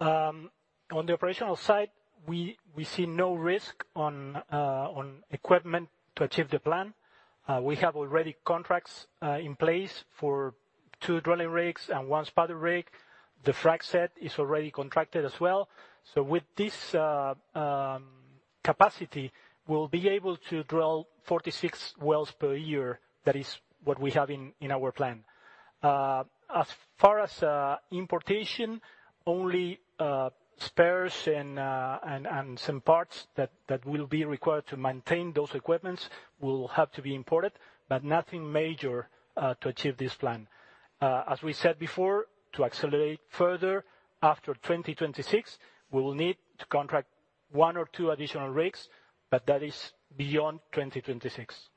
On the operational side, we see no risk on equipment to achieve the plan. We have already contracts in place for two drilling rigs and one spud rig. The frack set is already contracted as well. So with this capacity, we'll be able to drill 46 wells per year. That is what we have in our plan. As far as importation, only spares and some parts that will be required to maintain those equipment will have to be imported, but nothing major to achieve this plan. As we said before, to accelerate further after 2026, we will need to contract one or two additional rigs, but that is beyond 2026.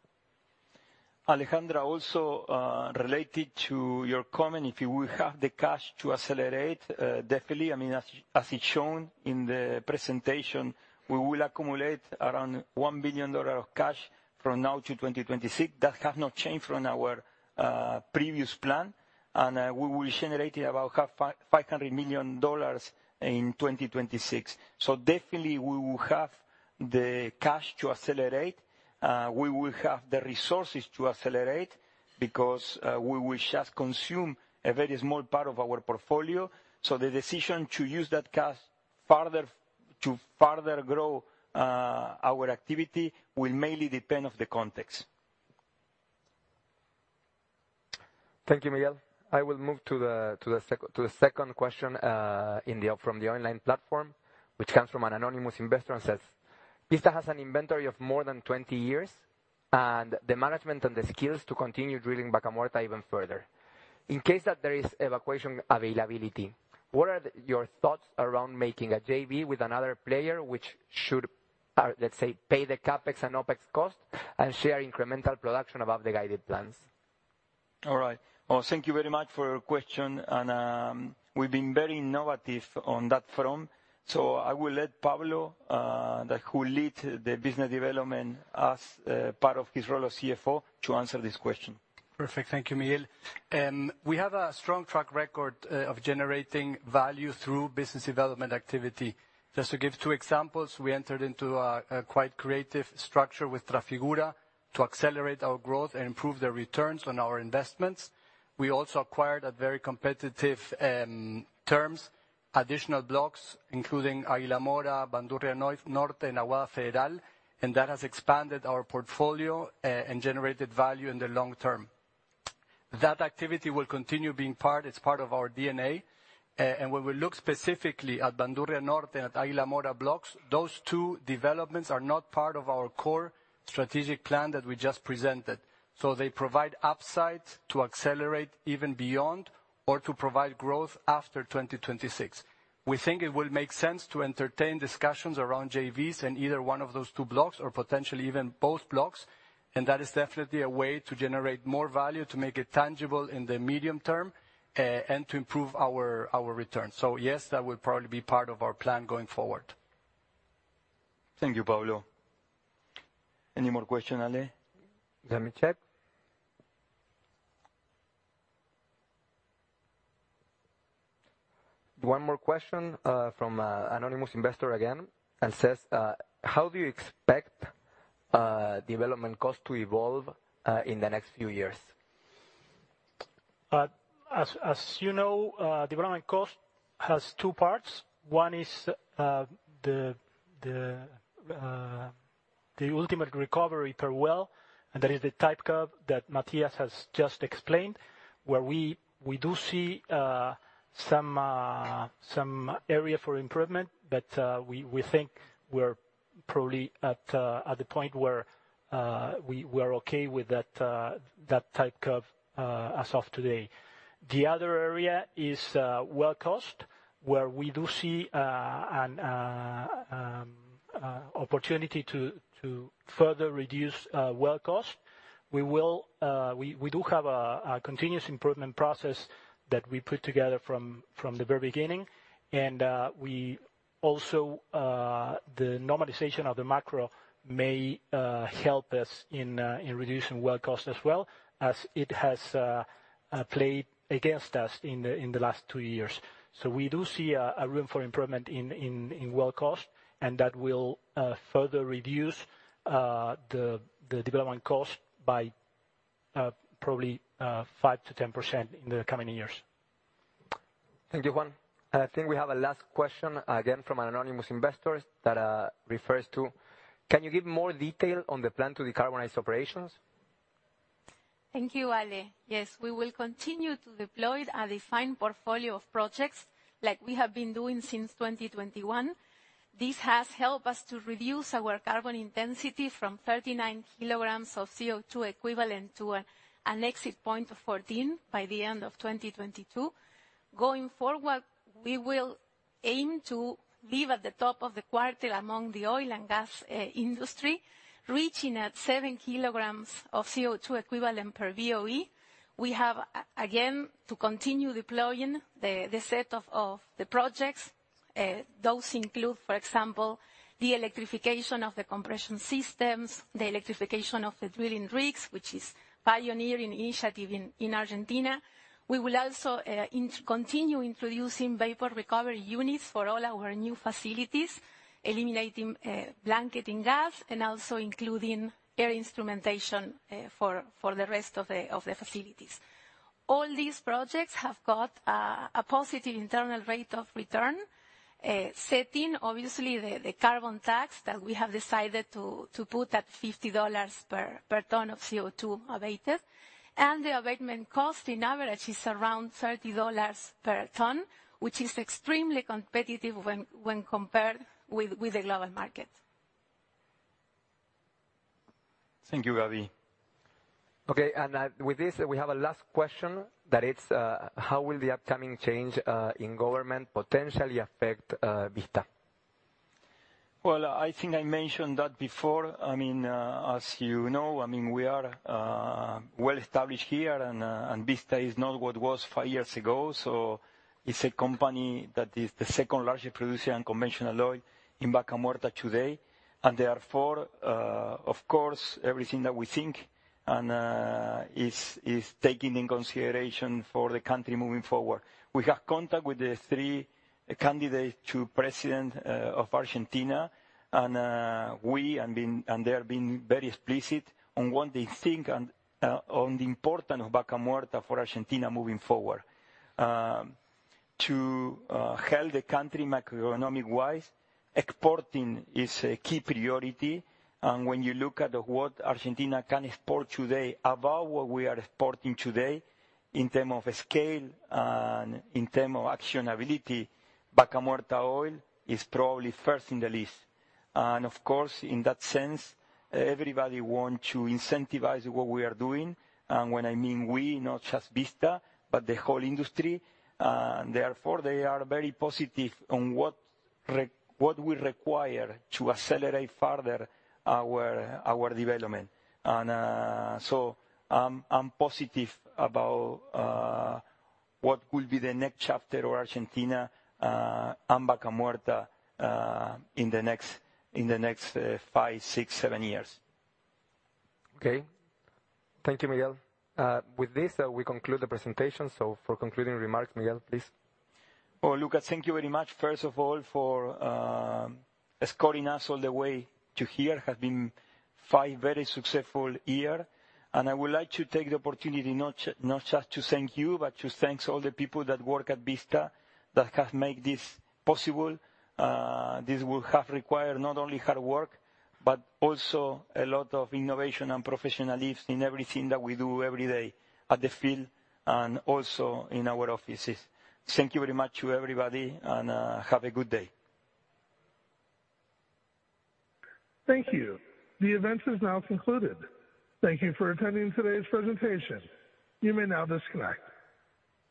Alejandro, also, related to your comment, if you will have the cash to accelerate, definitely, I mean, as, as it's shown in the presentation, we will accumulate around $1 billion of cash from now to 2026. That has not changed from our previous plan, and we will generate about half, five hundred million dollars in 2026. So definitely, we will have the cash to accelerate. We will have the resources to accelerate because we will just consume a very small part of our portfolio. So the decision to use that cash farther, to farther grow our activity, will mainly depend on the context. Thank you, Miguel. I will move to the second question from the online platform, which comes from an anonymous investor and says, "Vista has an inventory of more than 20 years, and the management and the skills to continue drilling Vaca Muerta even further. In case that there is evacuation availability, what are your thoughts around making a JV with another player which should, let's say, pay the CapEx and OpEx cost and share incremental production above the guided plans? All right. Well, thank you very much for your question, and we've been very innovative on that front. So I will let Pablo, who leads the business development as part of his role as CFO, to answer this question. Perfect. Thank you, Miguel. We have a strong track record of generating value through business development activity. Just to give two examples, we entered into a quite creative structure with Trafigura to accelerate our growth and improve the returns on our investments. We also acquired, at very competitive, terms-... additional blocks, including Águila Mora, Bandurria Norte, and Aguada Federal, and that has expanded our portfolio, and generated value in the long term. That activity will continue being part, it's part of our DNA, and when we look specifically at Bandurria Norte and at Águila Mora blocks, those two developments are not part of our core strategic plan that we just presented. So they provide upsides to accelerate even beyond or to provide growth after 2026. We think it will make sense to entertain discussions around JVs in either one of those two blocks or potentially even both blocks, and that is definitely a way to generate more value, to make it tangible in the medium term, and to improve our, our returns. So yes, that will probably be part of our plan going forward. Thank you, Pablo. Any more question, Ale? Let me check. One more question from anonymous investor again, and says, "How do you expect development costs to evolve in the next few years? As you know, development cost has two parts. One is the ultimate recovery per well, and that is the type curve that Matías has just explained, where we do see some area for improvement, but we think we're probably at the point where we are okay with that type curve as of today. The other area is well cost, where we do see an opportunity to further reduce well cost. We will, we do have a continuous improvement process that we put together from the very beginning, and we also, the normalization of the macro may help us in reducing well cost as well, as it has played against us in the last two years. So we do see a room for improvement in well cost, and that will further reduce the development cost by probably 5%-10% in the coming years. Thank you, Juan. I think we have a last question, again, from an anonymous investor, that, refers to: "Can you give more detail on the plan to decarbonize operations? Thank you, Ale. Yes, we will continue to deploy a refined portfolio of projects like we have been doing since 2021. This has helped us to reduce our carbon intensity from 39 kilograms of CO2 equivalent to an exit point of 14 by the end of 2022. Going forward, we will aim to be at the top of the quartile among the oil and gas industry, reaching at 7 kilograms of CO2 equivalent per BOE. We have again to continue deploying the set of projects. Those include, for example, the electrification of the compression systems, the electrification of the drilling rigs, which is pioneering initiative in Argentina. We will also continue introducing vapor recovery units for all our new facilities, eliminating blanketing gas, and also including air instrumentation for the rest of the facilities. All these projects have got a positive internal rate of return, setting obviously the carbon tax that we have decided to put at $50 per ton of CO2 abated. And the abatement cost, in average, is around $30 per ton, which is extremely competitive when compared with the global market. Thank you, Gabi. Okay, and with this, we have a last question, that is: "How will the upcoming change in government potentially affect Vista? Well, I think I mentioned that before. I mean, as you know, I mean, we are well established here, and Vista is not what was five years ago. So it's a company that is the second largest producer in conventional oil in Vaca Muerta today. And therefore, of course, everything that we think and is taking in consideration for the country moving forward. We have contact with the three candidates to President of Argentina, and they have been very explicit on what they think and on the importance of Vaca Muerta for Argentina moving forward. To help the country macroeconomic-wise, exporting is a key priority, and when you look at what Argentina can export today, about what we are exporting today, in terms of scale and in terms of actionability, Vaca Muerta oil is probably first in the list. Of course, in that sense, everybody want to incentivize what we are doing. When I mean we, not just Vista, but the whole industry. Therefore, they are very positive on what we require to accelerate further our development. So, I'm positive about what will be the next chapter of Argentina and Vaca Muerta in the next five, six, seven years. Okay. Thank you, Miguel. With this, we conclude the presentation, so for concluding remarks, Miguel, please. Well, Lucas, thank you very much, first of all, for escorting us all the way to here. It has been five very successful year, and I would like to take the opportunity not just, not just to thank you, but to thank all the people that work at Vista that have made this possible. This would have required not only hard work, but also a lot of innovation and professionalism in everything that we do every day at the field and also in our offices. Thank you very much to everybody, and have a good day. Thank you. The event is now concluded. Thank you for attending today's presentation. You may now disconnect.